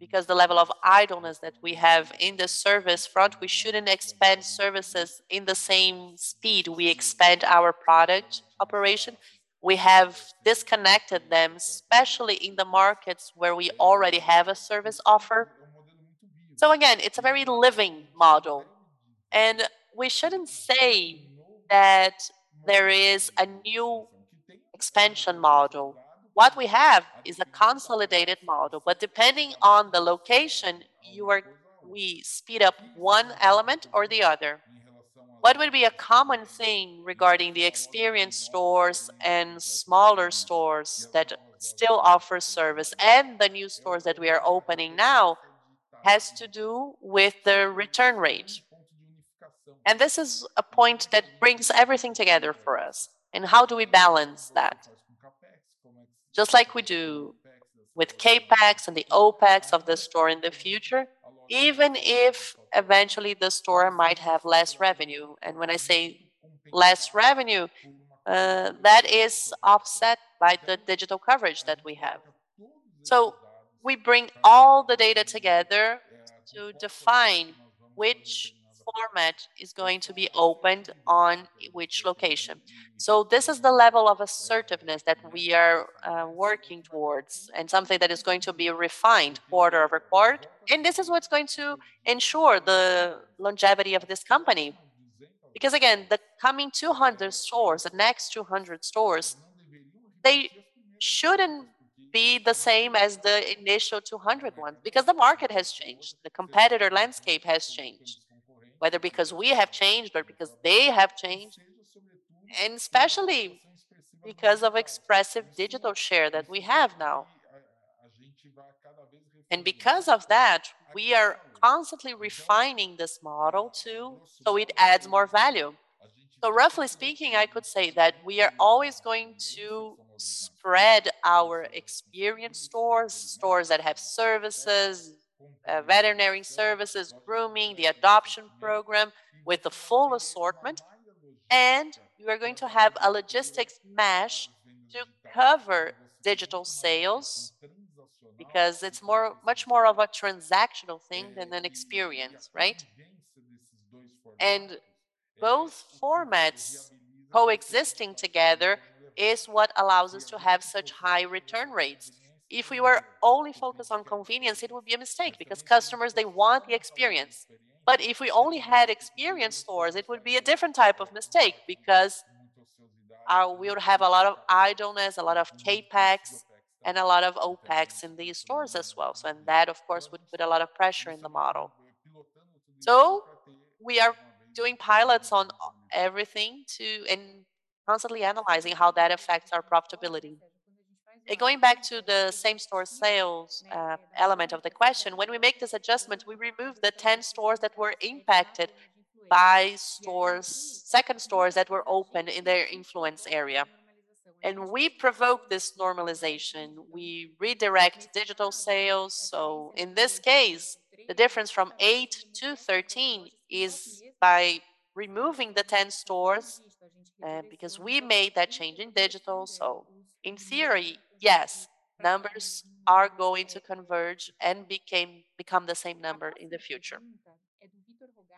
because the level of idleness that we have in the service front, we shouldn't expand services in the same speed we expand our product operation. We have disconnected them, especially in the markets where we already have a service offer. Again, it's a very living model, and we shouldn't say that there is a new expansion model. What we have is a consolidated model, depending on the location, we speed up one element or the other. What would be a common thing regarding the experience stores and smaller stores that still offer service and the new stores that we are opening now has to do with the return rate. This is a point that brings everything together for us. How do we balance that? Just like we do with CapEx and the OpEx of the store in the future, even if eventually the store might have less revenue. When I say less revenue, that is offset by the digital coverage that we have. We bring all the data together to define which format is going to be opened on which location. This is the level of assertiveness that we are working towards and something that is going to be refined quarter-over-quarter. This is what's going to ensure the longevity of this company. Again, the coming 200 stores, the next 200 stores, they shouldn't be the same as the initial 200 ones because the market has changed, the competitor landscape has changed, whether because we have changed or because they have changed, and especially because of expressive digital share that we have now. Because of that, we are constantly refining this model, too, so it adds more value. Roughly speaking, I could say that we are always going to spread our experience stores that have services, veterinary services, grooming, the adoption program with the full assortment, and we are going to have a logistics mesh to cover digital sales because it's much more of a transactional thing than an experience, right? Both formats coexisting together is what allows us to have such high return rates. If we were only focused on convenience, it would be a mistake because customers, they want the experience. If we only had experience stores, it would be a different type of mistake because we would have a lot of idleness, a lot of CapEx, and a lot of OpEx in these stores as well. That, of course, would put a lot of pressure in the model. We are doing pilots on everything to and constantly analyzing how that affects our profitability. Going back to the same-store sales element of the question, when we make this adjustment, we remove the 10 stores that were impacted by stores, second stores that were opened in their influence area. We provoke this normalization. We redirect digital sales. In this case, the difference from eight to 13 is by removing the 10 stores because we made that change in digital. In theory, yes, numbers are going to converge and become the same number in the future.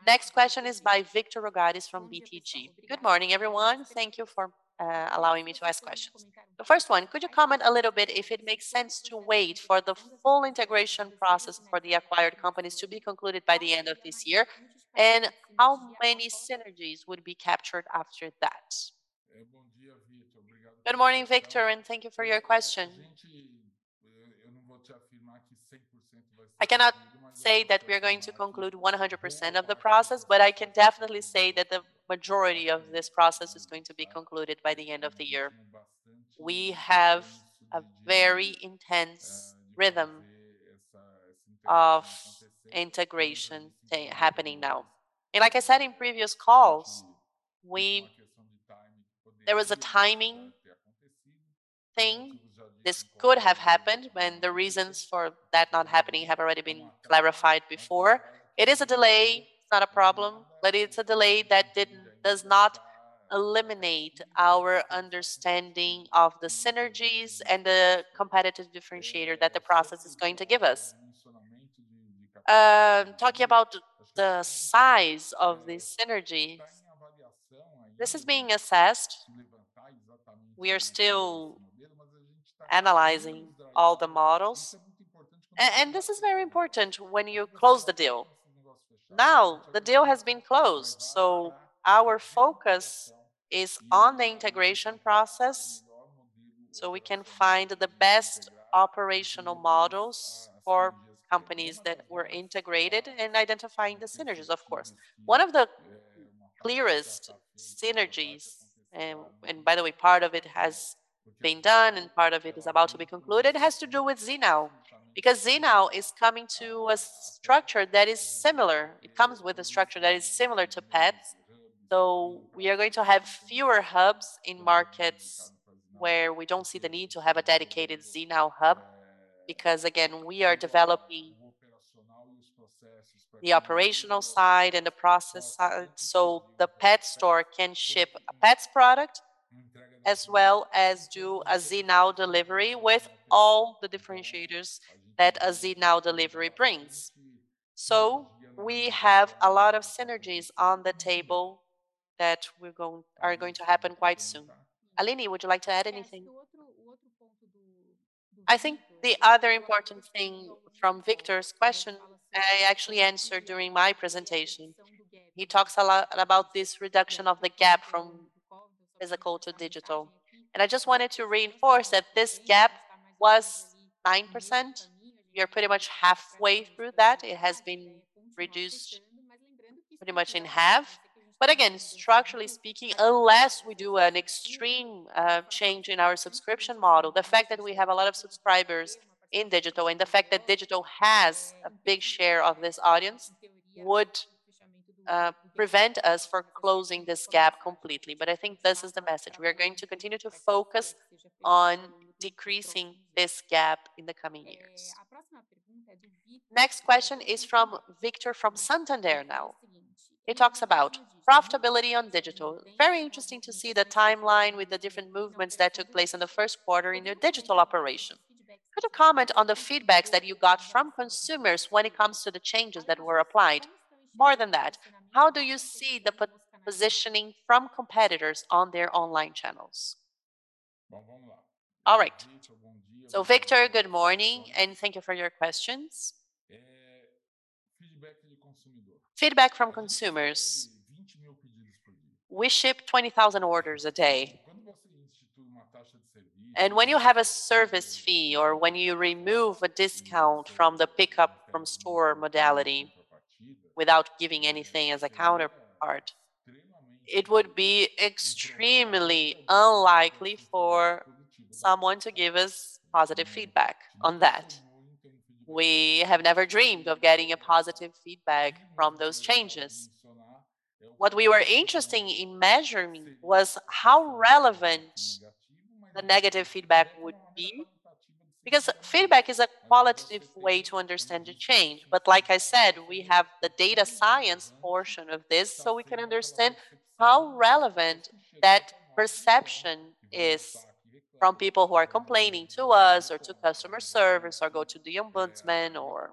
Next question is by Victor Rogatis from BTG. Good morning, everyone. Thank you for allowing me to ask questions. The first one, could you comment a little bit if it makes sense to wait for the full integration process for the acquired companies to be concluded by the end of this year? How many synergies would be captured after that? Good morning, Victor, and thank you for your question. I cannot say that we are going to conclude 100% of the process, but I can definitely say that the majority of this process is going to be concluded by the end of the year. We have a very intense rhythm of integration happening now. Like I said in previous calls, there was a timing thing. This could have happened when the reasons for that not happening have already been clarified before. It is a delay. It's not a problem, but it's a delay that does not eliminate our understanding of the synergies and the competitive differentiator that the process is going to give us. Talking about the size of the synergy, this is being assessed. We are still analyzing all the models. And this is very important when you close the deal. The deal has been closed, so our focus is on the integration process, so we can find the best operational models for companies that were integrated and identifying the synergies, of course. One of the clearest synergies, and by the way, part of it has been done and part of it is about to be concluded, has to do with Zee.Now. Zee.Now is coming to a structure that is similar. It comes with a structure that is similar to Petz, though we are going to have fewer hubs in markets where we don't see the need to have a dedicated Zee.Now hub. Again, we are developing the operational side and the process side, so the Pet store can ship a Petz product as well as do a Zee.Now delivery with all the differentiators that a Zee.Now delivery brings. We have a lot of synergies on the table that we are going to happen quite soon. Aline, would you like to add anything? I think the other important thing from Victor's question, I actually answered during my presentation. He talks a lot about this reduction of the gap from physical to digital. I just wanted to reinforce that this gap was 9%. We are pretty much halfway through that. It has been reduced pretty much in half. Again, structurally speaking, unless we do an extreme change in our subscription model, the fact that we have a lot of subscribers in digital and the fact that digital has a big share of this audience would prevent us for closing this gap completely. I think this is the message. We are going to continue to focus on decreasing this gap in the coming years. Next question is from Victor from Santander now. It talks about profitability on digital. Very interesting to see the timeline with the different movements that took place in the first quarter in your digital operation. Could you comment on the feedbacks that you got from consumers when it comes to the changes that were applied? More than that, how do you see the positioning from competitors on their online channels? All right. Victor, good morning, and thank you for your questions. Feedback from consumers. We ship 20,000 orders a day. When you have a service fee or when you remove a discount from the pickup from store modality without giving anything as a counterpart, it would be extremely unlikely for someone to give us positive feedback on that. We have never dreamed of getting a positive feedback from those changes. What we were interesting in measuring was how relevant the negative feedback would be, because feedback is a qualitative way to understand the change. Like I said, we have the data science portion of this, so we can understand how relevant that perception is from people who are complaining to us or to customer service or go to the ombudsman or...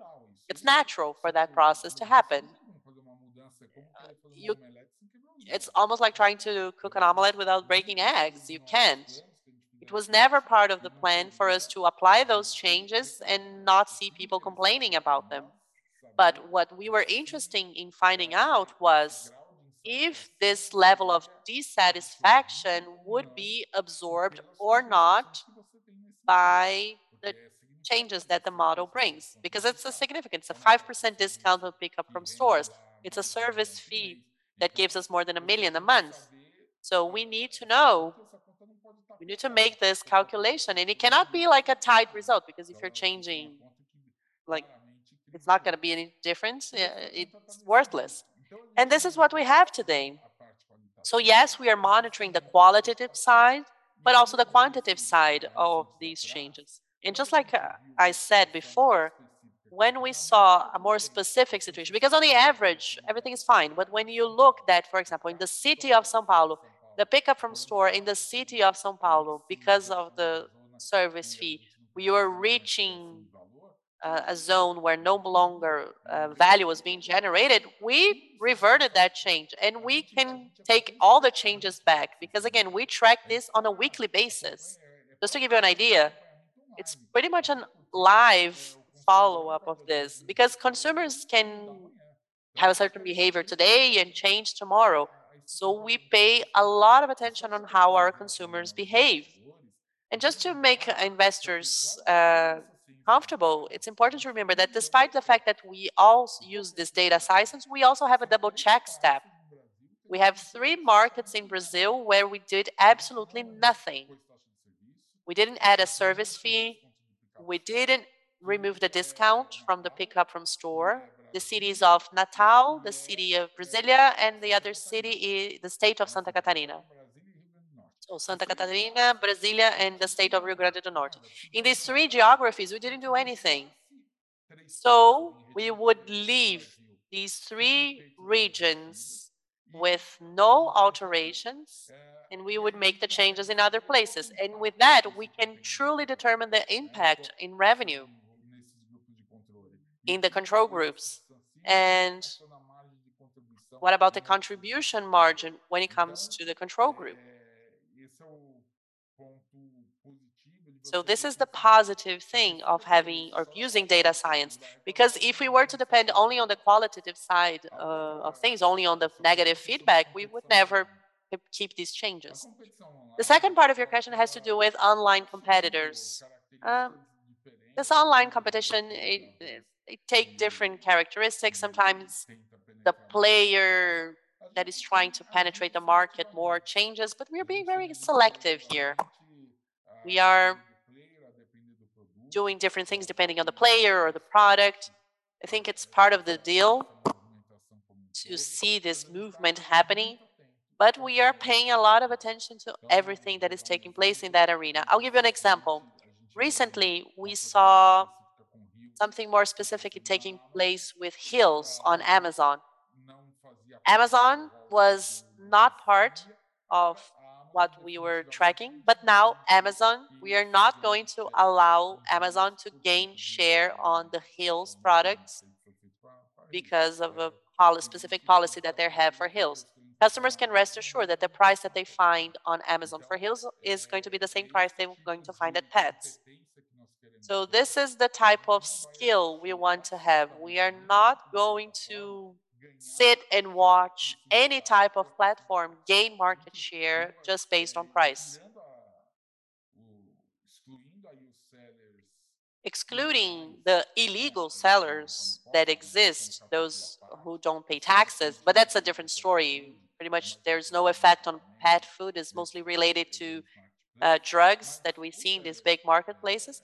It's natural for that process to happen. It's almost like trying to cook an omelet without breaking eggs. You can't. It was never part of the plan for us to apply those changes and not see people complaining about them. What we were interesting in finding out was if this level of dissatisfaction would be absorbed or not by the changes that the model brings, because it's a significance. A 5% discount of pickup from stores. It's a service fee that gives us more than 1 million a month. We need to know. We need to make this calculation, it cannot be like a tied result, because if you're changing. It's not gonna be any difference. It's worthless. This is what we have today. Yes, we are monitoring the qualitative side, but also the quantitative side of these changes. Just like I said before, when we saw a more specific situation. On average everything is fine, but when you look that, for example, in the city of São Paulo, the pickup from store in the city of São Paulo because of the service fee, we are reaching a zone where no longer value was being generated. We reverted that change, and we can take all the changes back because again, we track this on a weekly basis. Just to give you an idea, it's pretty much a live follow-up of this because consumers can have a certain behavior today and change tomorrow. We pay a lot of attention on how our consumers behave. Just to make investors comfortable, it's important to remember that despite the fact that we use this data science, we also have a double check step. We have three markets in Brazil where we did absolutely nothing. We didn't add a service fee, we didn't remove the discount from the pickup from store. The cities of Natal, Brasília, and the state of Santa Catarina. Santa Catarina, Brasília, and the state of Rio Grande do Norte. In these three geographies, we didn't do anything. We would leave these three regions with no alterations, and we would make the changes in other places. With that, we can truly determine the impact in revenue in the control groups. What about the contribution margin when it comes to the control group? This is the positive thing of having or using data science, because if we were to depend only on the qualitative side of things, only on the negative feedback, we would never keep these changes. The second part of your question has to do with online competitors. This online competition, it take different characteristics. Sometimes the player that is trying to penetrate the market more changes, we are being very selective here. We are doing different things depending on the player or the product. I think it's part of the deal to see this movement happening, we are paying a lot of attention to everything that is taking place in that arena. I'll give you an example. Recently we saw something more specific taking place with Hill's on Amazon. Amazon was not part of what we were tracking, now Amazon, we are not going to allow Amazon to gain share on the Hill's products because of a specific policy that they have for Hill's. Customers can rest assured that the price that they find on Amazon for Hill's is going to be the same price they're going to find at Petz. This is the type of skill we want to have. We are not going to sit and watch any type of platform gain market share just based on price. Excluding the illegal sellers that exist, those who don't pay taxes, but that's a different story. Pretty much there's no effect on pet food. It's mostly related to drugs that we see in these big marketplaces.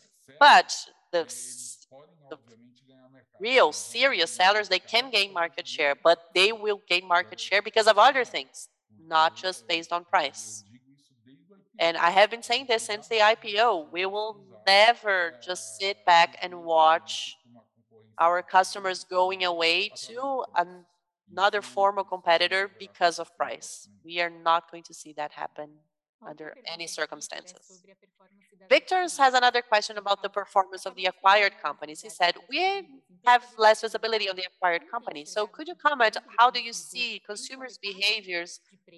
The real serious sellers, they can gain market share, but they will gain market share because of other things, not just based on price. I have been saying this since the IPO. We will never just sit back and watch our customers going away to another formal competitor because of price. We are not going to see that happen under any circumstances. Victor has another question about the performance of the acquired companies. He said, "We have less visibility on the acquired company. Could you comment how do you see consumers' behaviors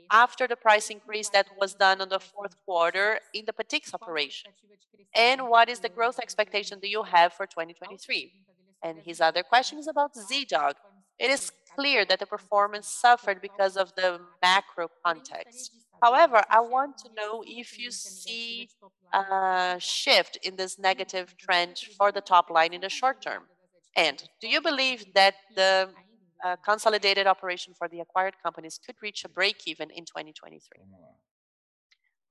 after the price increase that was done on the fourth quarter in the Petix operation, and what is the growth expectation do you have for 2023?" His other question is about Zee.Dog. It is clear that the performance suffered because of the macro context. However, I want to know if you see a shift in this negative trend for the top line in the short term. Do you believe that the consolidated operation for the acquired companies could reach a break even in 2023?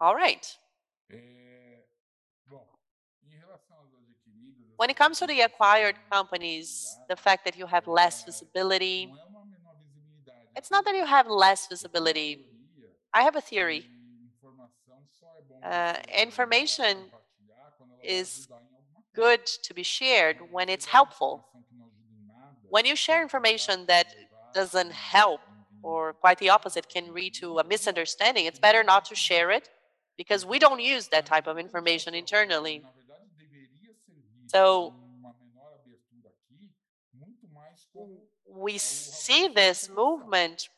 All right. When it comes to the acquired companies, the fact that you have less visibility, it's not that you have less visibility. I have a theory. Information is good to be shared when it's helpful. When you share information that doesn't help or quite the opposite can lead to a misunderstanding, it's better not to share it because we don't use that type of information internally. We see this movement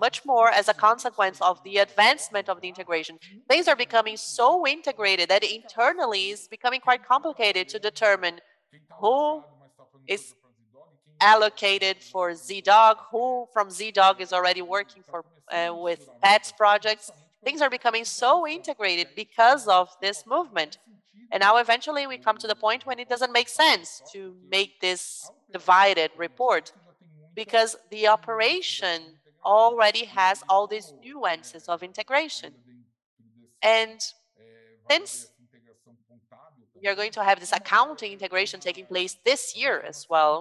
much more as a consequence of the advancement of the integration. Things are becoming so integrated that internally it's becoming quite complicated to determine who is allocated for Zee.Dog, who from Zee.Dog is already working for with Petz projects. Things are becoming so integrated because of this movement. Now eventually we come to the point when it doesn't make sense to make this divided report because the operation already has all these nuances of integration. Since we are going to have this accounting integration taking place this year as well,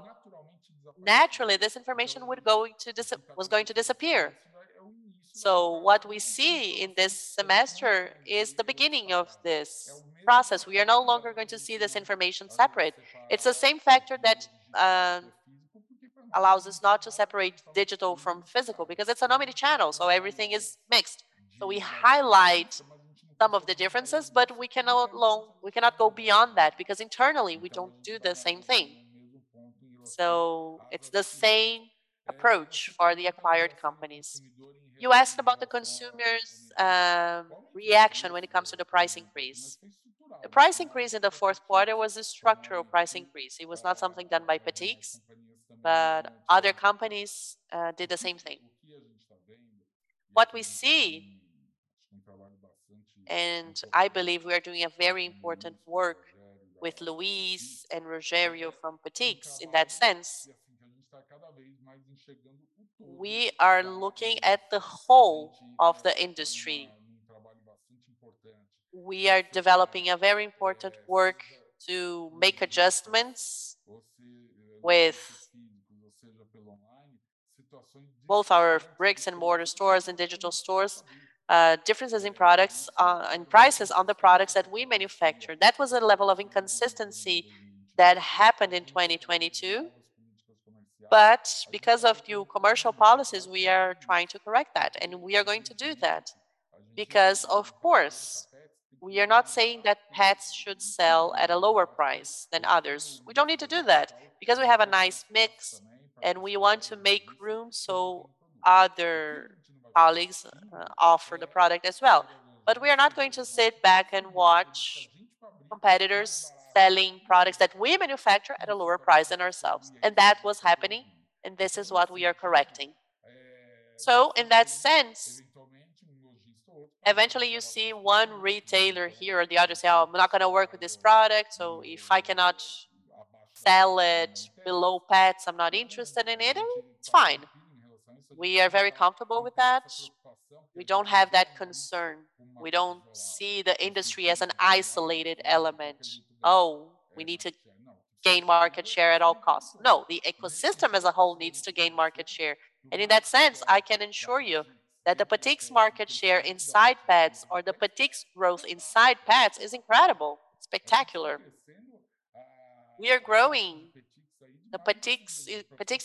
naturally this information was going to disappear. What we see in this semester is the beginning of this process. We are no longer going to see this information separate. It's the same factor that allows us not to separate digital from physical because it's an omni-channel, everything is mixed. We highlight some of the differences, but we cannot go beyond that because internally we don't do the same thing. It's the same approach for the acquired companies. You asked about the consumer's reaction when it comes to the price increase. The price increase in the fourth quarter was a structural price increase. It was not something done by Petix, other companies did the same thing. What we see, I believe we are doing a very important work with Luis and Rogerio from Petix in that sense. We are looking at the whole of the industry. We are developing a very important work to make adjustments with both our bricks and mortar stores and digital stores, differences in products, and prices on the products that we manufacture. That was a level of inconsistency that happened in 2022, because of new commercial policies, we are trying to correct that, we are going to do that because of course we are not saying that Petz should sell at a lower price than others. We don't need to do that because we have a nice mix, and we want to make room so other colleagues offer the product as well. We are not going to sit back and watch competitors selling products that we manufacture at a lower price than ourselves. That was happening, and this is what we are correcting. In that sense, eventually you see one retailer here or the other say, "Oh, I'm not gonna work with this product," or, "If I cannot sell it below Petz, I'm not interested in it." It's fine. We are very comfortable with that. We don't have that concern. We don't see the industry as an isolated element. "Oh, we need to gain market share at all costs." No, the ecosystem as a whole needs to gain market share. In that sense, I can assure you that the Petix market share inside Petz or the Petix growth inside Petz is incredible, spectacular. We are growing. The Petix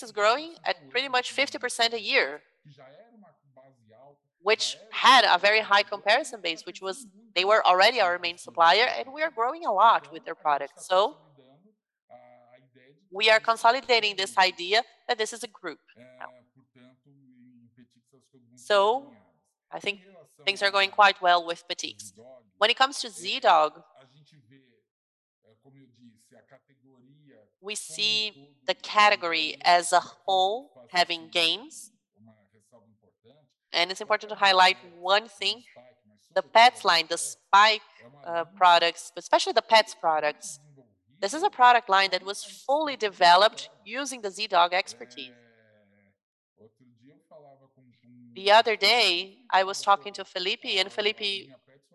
is growing at pretty much 50% a year, which had a very high comparison base, which was they were already our main supplier, and we are growing a lot with their products. We are consolidating this idea that this is a group now. I think things are going quite well with Petix. When it comes to Zee.Dog, we see the category as a whole having gains. It's important to highlight one thing. The Petz line, the Spike products, especially the Petz products, this is a product line that was fully developed using the Zee.Dog expertise. The other day, I was talking to Felipe, and Felipe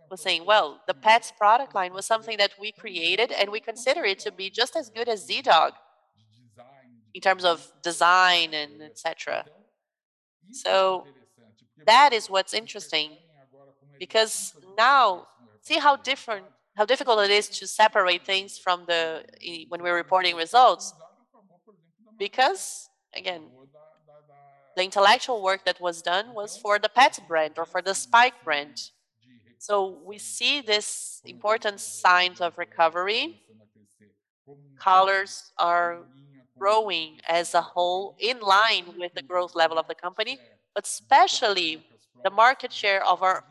was saying, "Well, the pets product line was something that we created, and we consider it to be just as good as Zee.Dog in terms of design and et cetera." That is what's interesting because now see how difficult it is to separate things from the when we're reporting results. Again, the intellectual work that was done was for the pet brand or for the Spike brand. We see this important signs of recovery. Collars are growing as a whole in line with the growth level of the company, but especially the market share of our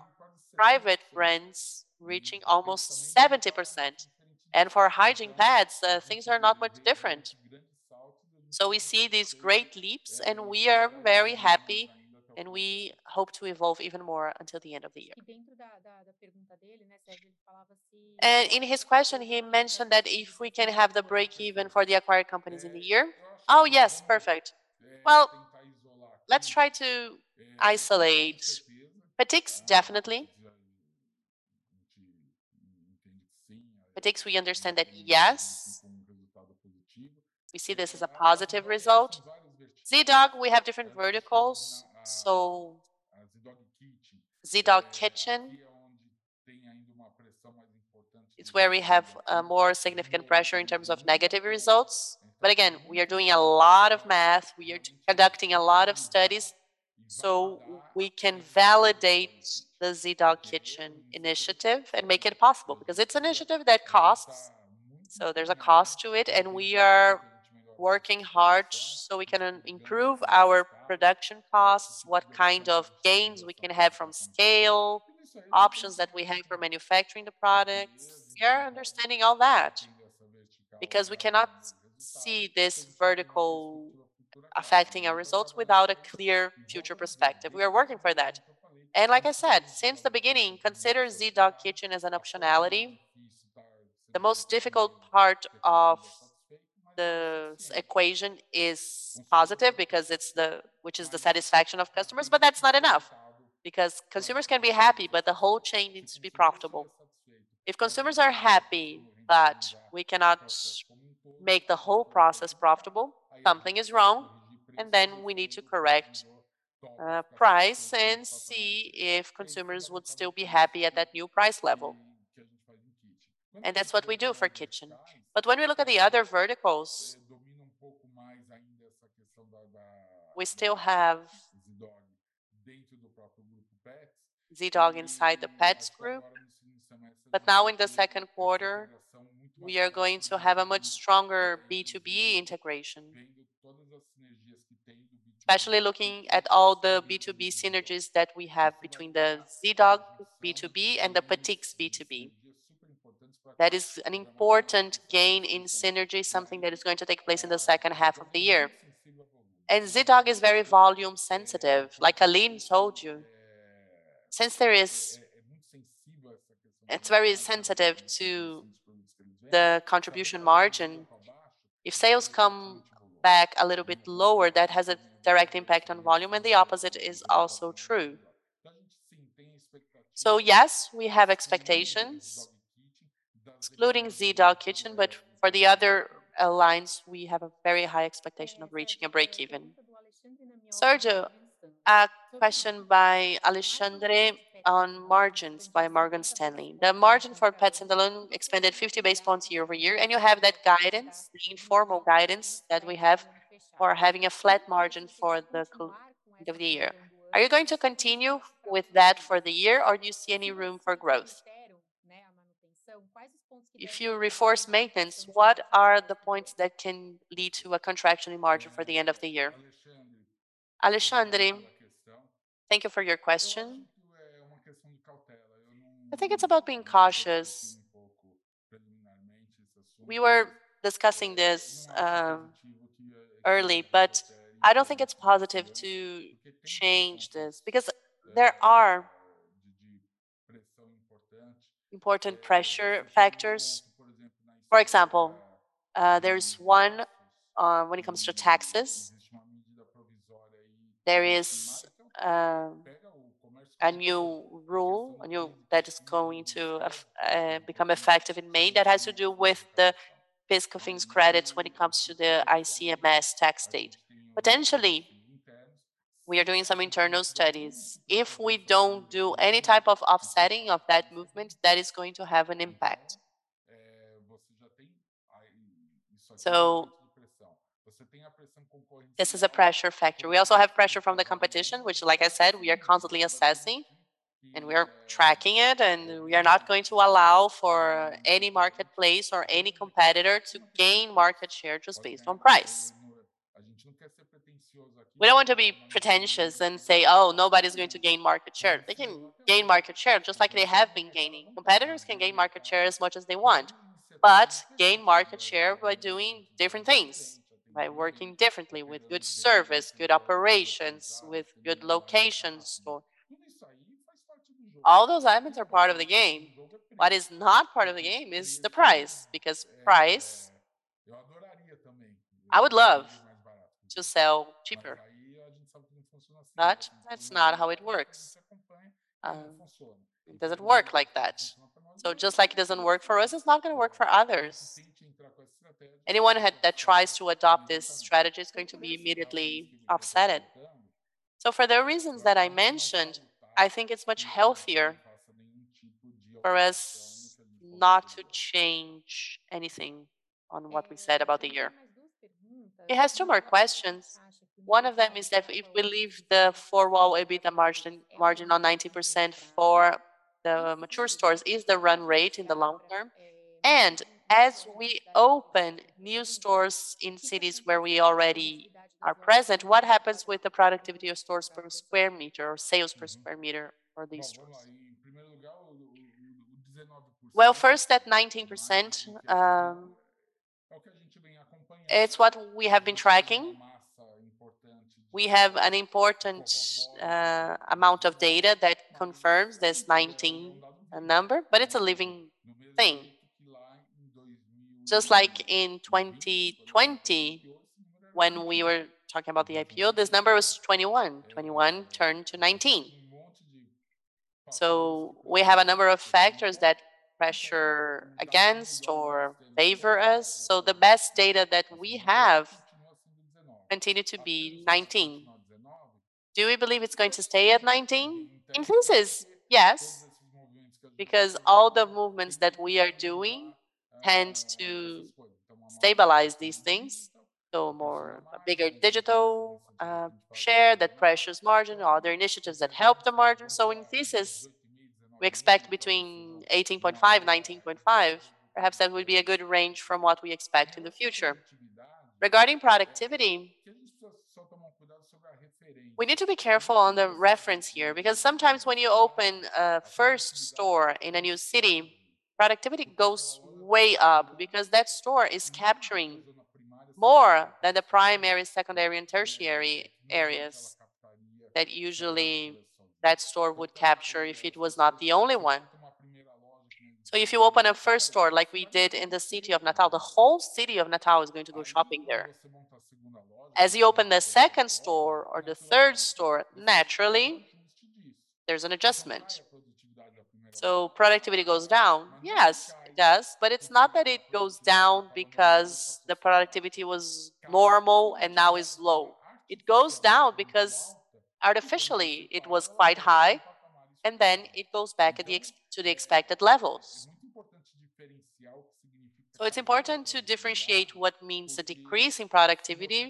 private brands reaching almost 70%. For hygiene pads, things are not much different. We see these great leaps, and we are very happy, and we hope to evolve even more until the end of the year. In his question, he mentioned that if we can have the break-even for the acquired companies in a year. Yes. Perfect. Well, let's try to isolate. Petix, definitely. Petix, we understand that yes, we see this as a positive result. Zee.Dog, we have different verticals, so Zee.Dog Kitchen, it's where we have more significant pressure in terms of negative results. Again, we are doing a lot of math. We are conducting a lot of studies, so we can validate the Zee.Dog Kitchen initiative and make it possible because it's an initiative that costs. There's a cost to it, and we are working hard so we can improve our production costs, what kind of gains we can have from scale, options that we have for manufacturing the products. We are understanding all that because we cannot see this vertical affecting our results without a clear future perspective. We are working for that. Like I said, since the beginning, consider Zee.Dog Kitchen as an optionality. The most difficult part of the equation is positive because it's the satisfaction of customers, but that's not enough because consumers can be happy, but the whole chain needs to be profitable. If consumers are happy, but we cannot make the whole process profitable, something is wrong, and then we need to correct price and see if consumers would still be happy at that new price level. That's what we do for Kitchen. When we look at the other verticals, we still have Zee.Dog inside the Petz group. Now in the second quarter, we are going to have a much stronger B2B integration, especially looking at all the B2B synergies that we have between the Zee.Dog B2B and the Petix B2B. That is an important gain in synergy, something that is going to take place in the second half of the year. Zee.Dog is very volume sensitive, like Aline told you. Since it's very sensitive to the contribution margin. If sales come back a little bit lower, that has a direct impact on volume, and the opposite is also true. Yes, we have expectations excluding Zee.Dog Kitchen, but for the other lines, we have a very high expectation of reaching a break-even. Sergio, a question by Alexandre on margins by Morgan Stanley. The margin for Petz alone expanded 50 basis points year-over-year, and you have that guidance, the informal guidance that we have for having a flat margin for the end of the year. Are you going to continue with that for the year, or do you see any room for growth? If you reinforce maintenance, what are the points that can lead to a contraction in margin for the end of the year? Alexandre, thank you for your question. I think it's about being cautious. We were discussing this early, but I don't think it's positive to change this because there are important pressure factors. For example, there is one when it comes to taxes. There is a new rule that is going to become effective in May that has to do with the PIS/Cofins credits when it comes to the ICMS tax date. Potentially, we are doing some internal studies. If we don't do any type of offsetting of that movement, that is going to have an impact. This is a pressure factor. We also have pressure from the competition, which like I said, we are constantly assessing, and we are tracking it, and we are not going to allow for any marketplace or any competitor to gain market share just based on price. We don't want to be pretentious and say, "Oh, nobody's going to gain market share." They can gain market share just like they have been gaining. Competitors can gain market share as much as they want, gain market share by doing different things, by working differently with good service, good operations, with good locations, or... All those items are part of the game. What is not part of the game is the price because price, I would love to sell cheaper, but that's not how it works. It doesn't work like that. Just like it doesn't work for us, it's not gonna work for others. Anyone that tries to adopt this strategy is going to be immediately offsetted. For the reasons that I mentioned, I think it's much healthier for us not to change anything on what we said about the year. He has two more questions. One of them is that if we leave the four-wall EBITDA margin on 19% for the mature stores is the run rate in the long term. As we open new stores in cities where we already are present, what happens with the productivity of stores per square meter or sales per square meter for these stores? First, that 19%, it's what we have been tracking. We have an important amount of data that confirms this 19 number, but it's a living thing. Just like in 2020 when we were talking about the IPO, this number was 21. 21 turned to 19. We have a number of factors that pressure against or favor us. The best data that we have continue to be 19. Do we believe it's going to stay at 19? In thesis, yes, because all the movements that we are doing tend to stabilize these things. A bigger digital share that pressures margin or other initiatives that help the margin. In thesis, we expect between 18.5%-19.5%. Perhaps that would be a good range from what we expect in the future. Regarding productivity, we need to be careful on the reference here because sometimes when you open a first store in a new city, productivity goes way up because that store is capturing more than the primary, secondary, and tertiary areas that usually that store would capture if it was not the only one. If you open a first store like we did in the city of Natal, the whole city of Natal is going to go shopping there. As you open the second store or the third store, naturally there's an adjustment. Productivity goes down. Yes, it does, but it's not that it goes down because the productivity was normal and now is low. It goes down because artificially it was quite high, and then it goes back to the expected levels. It's important to differentiate what means the decrease in productivity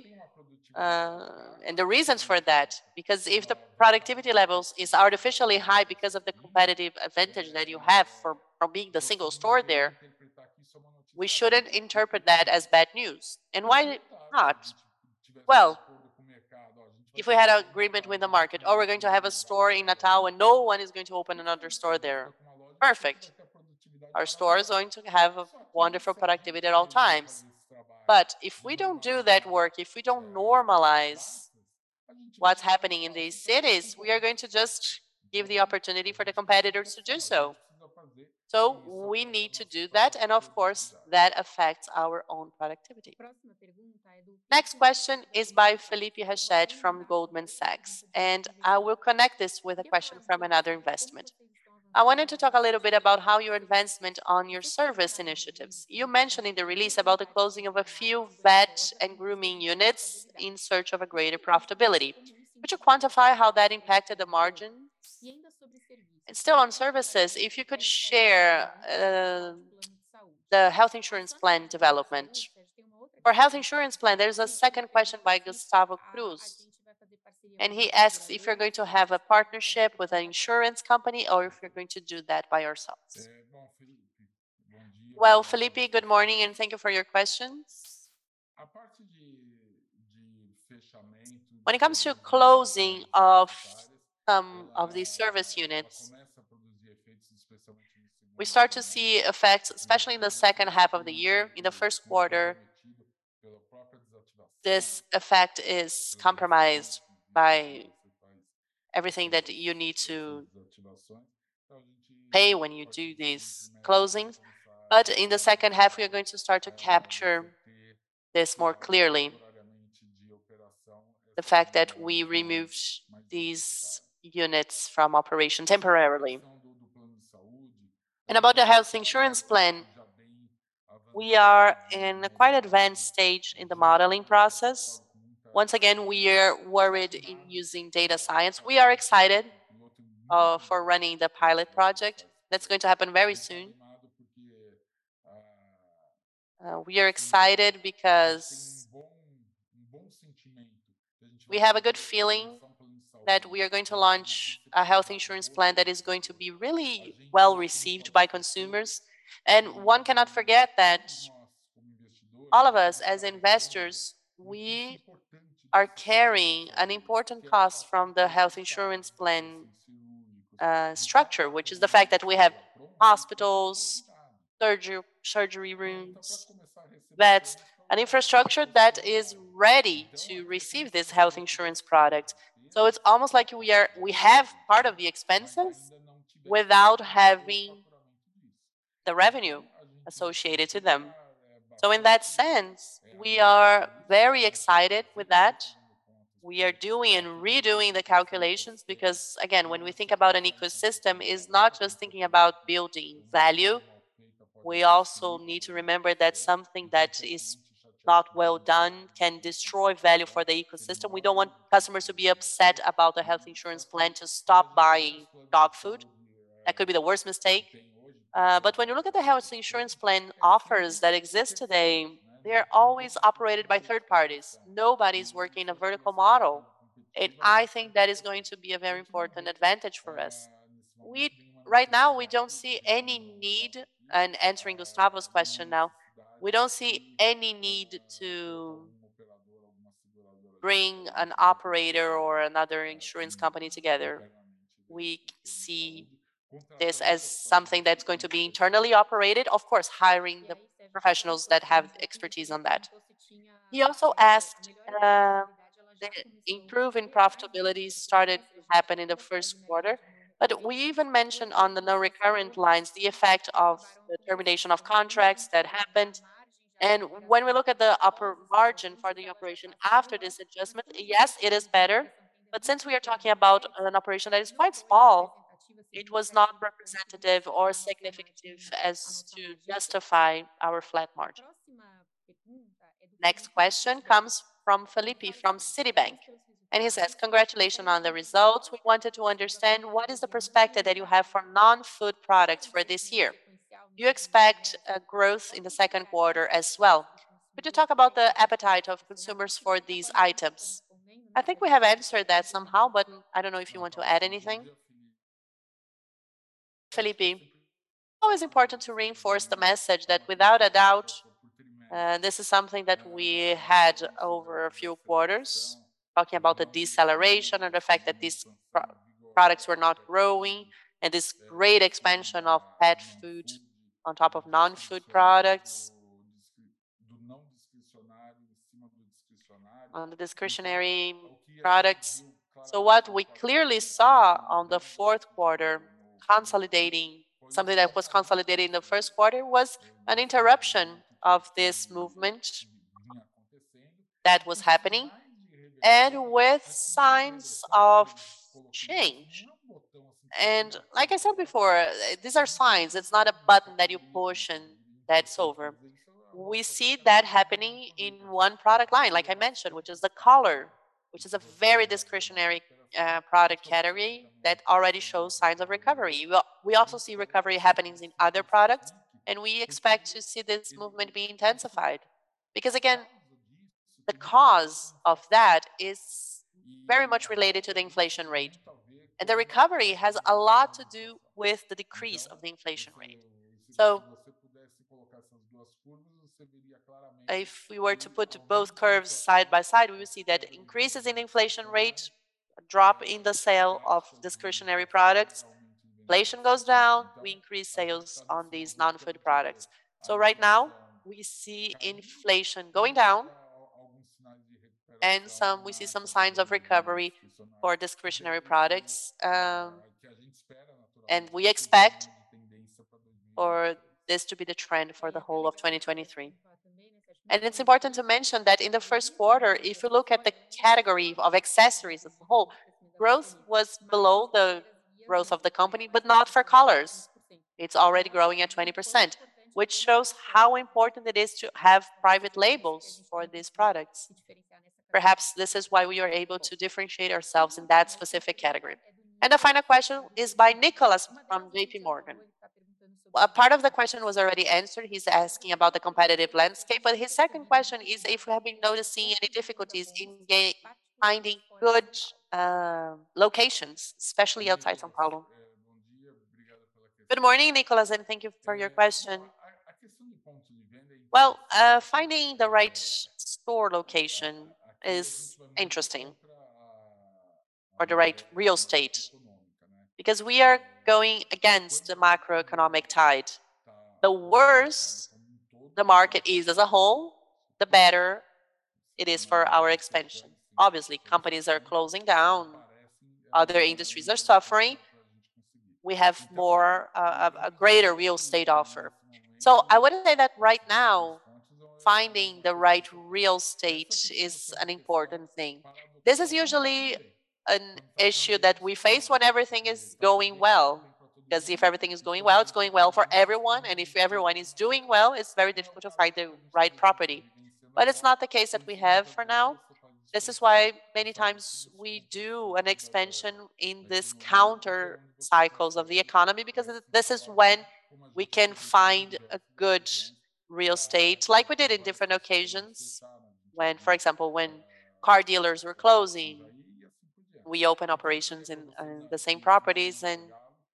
and the reasons for that. Because if the productivity levels is artificially high because of the competitive advantage that you have for being the single store there, we shouldn't interpret that as bad news. Why not? Well, if we had an agreement with the market or we're going to have a store in Natal and no one is going to open another store there, perfect. Our store is going to have a wonderful productivity at all times. If we don't do that work, if we don't normalize what's happening in these cities, we are going to just give the opportunity for the competitors to do so. We need to do that, and of course, that affects our own productivity. Next question is by Felipe Rached from Goldman Sachs, and I will connect this with a question from another investment. I wanted to talk a little bit about how your advancement on your service initiatives. You mentioned in the release about the closing of a few vet and grooming units in search of a greater profitability. Would you quantify how that impacted the margins? And still on services, if you could share the health insurance plan development. For health insurance plan, there's a second question by Gustavo Cruz. He asks if you're going to have a partnership with an insurance company or if you're going to do that by yourselves. Well, Philippe, good morning. Thank you for your questions. When it comes to closing of some of these service units, we start to see effects, especially in the second half of the year. In the first quarter, this effect is compromised by everything that you need to pay when you do these closings. In the second half, we are going to start to capture this more clearly, the fact that we removed these units from operation temporarily. About the health insurance plan, we are in a quite advanced stage in the modeling process. Once again, we are worried in using data science. We are excited for running the pilot project. That's going to happen very soon. We are excited because we have a good feeling that we are going to launch a health insurance plan that is going to be really well-received by consumers. One cannot forget that all of us as investors, we are carrying an important cost from the health insurance plan structure, which is the fact that we have hospitals, surgery rooms. That's an infrastructure that is ready to receive this health insurance product. It's almost like we have part of the expenses without having the revenue associated to them. In that sense, we are very excited with that. We are doing and redoing the calculations because, again, when we think about an ecosystem, it's not just thinking about building value. We also need to remember that something that is not well done can destroy value for the ecosystem. We don't want customers to be upset about the health insurance plan to stop buying dog food. That could be the worst mistake. When you look at the health insurance plan offers that exist today, they are always operated by third parties. Nobody's working a vertical model, and I think that is going to be a very important advantage for us. Right now, we don't see any need, and answering Gustavo's question now, we don't see any need to bring an operator or another insurance company together. We see this as something that's going to be internally operated, of course, hiring the professionals that have expertise on that. He also asked, the improve in profitability started to happen in the first quarter. We even mentioned on the non-recurrent lines the effect of the termination of contracts that happened. When we look at the upper margin for the operation after this adjustment, yes, it is better. Since we are talking about an operation that is quite small, it was not representative or significant as to justify our flat margin. Next question comes from Philippe from Citi, and he says, "Congratulations on the results. We wanted to understand what is the perspective that you have for non-food products for this year. Do you expect a growth in the second quarter as well? Could you talk about the appetite of consumers for these items?" I think we have answered that somehow, but I don't know if you want to add anything. Philippe, always important to reinforce the message that without a doubt, this is something that we had over a few quarters, talking about the deceleration and the fact that these pro-products were not growing and this great expansion of pet food on top of non-food products. On the discretionary products. What we clearly saw on the fourth quarter something that was consolidated in the first quarter was an interruption of this movement that was happening and with signs of change. Like I said before, these are signs. It's not a button that you push and that's over. We see that happening in one product line, like I mentioned, which is the color, which is a very discretionary product category that already shows signs of recovery. We also see recovery happening in other products. We expect to see this movement being intensified because, again, the cause of that is very much related to the inflation rate. The recovery has a lot to do with the decrease of the inflation rate. If we were to put both curves side by side, we would see that increases in inflation rates, a drop in the sale of discretionary products. Inflation goes down, we increase sales on these non-food products. Right now, we see inflation going down and we see some signs of recovery for discretionary products. We expect for this to be the trend for the whole of 2023. It's important to mention that in the first quarter, if you look at the category of accessories as a whole, growth was below the growth of the company, but not for color. It's already growing at 20%, which shows how important it is to have private labels for these products. Perhaps this is why we are able to differentiate ourselves in that specific category. The final question is by Nicholas from J.P. Morgan. A part of the question was already answered. He's asking about the competitive landscape. His second question is, if we have been noticing any difficulties in finding good locations, especially outside São Paulo. Good morning, Nicholas, and thank you for your question. Well, finding the right store location is interesting or the right real estate because we are going against the macroeconomic tide. The worse the market is as a whole, the better it is for our expansion. Obviously, companies are closing down, other industries are suffering. We have more a greater real estate offer. I wouldn't say that right now finding the right real estate is an important thing. This is usually an issue that we face when everything is going well, because if everything is going well, it's going well for everyone, and if everyone is doing well, it's very difficult to find the right property. It's not the case that we have for now. This is why many times we do an expansion in this countercycles of the economy because this is when we can find a good real estate, like we did in different occasions for example, when car dealers were closing, we open operations in the same properties and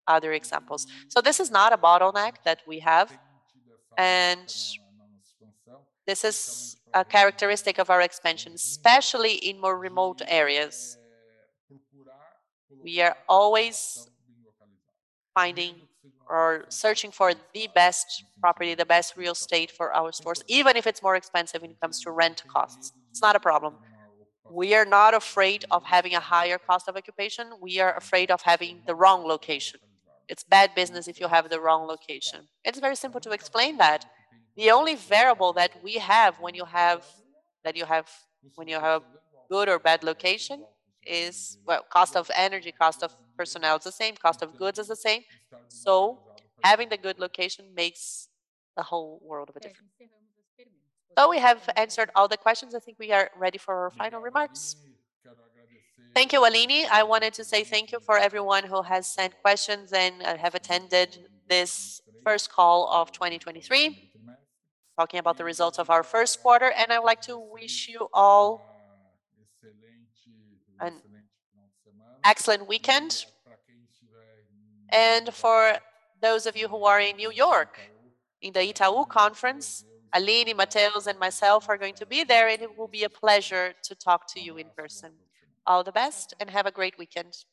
other examples. This is not a bottleneck that we have, and this is a characteristic of our expansion, especially in more remote areas. We are always finding or searching for the best property, the best real estate for our stores, even if it's more expensive when it comes to rent costs. It's not a problem. We are not afraid of having a higher cost of occupation. We are afraid of having the wrong location. It's bad business if you have the wrong location. It's very simple to explain that. The only variable that we have when you have good or bad location is... Well, cost of energy, cost of personnel is the same, cost of goods is the same. Having a good location makes the whole world of a difference. Oh, we have answered all the questions. I think we are ready for our final remarks. Thank you, Aline. I wanted to say thank you for everyone who has sent questions and have attended this first call of 2023, talking about the results of our first quarter. I would like to wish you all an excellent weekend. For those of you who are in New York in the Itaú conference, Aline, Matheus, and myself are going to be there, and it will be a pleasure to talk to you in person. All the best and have a great weekend.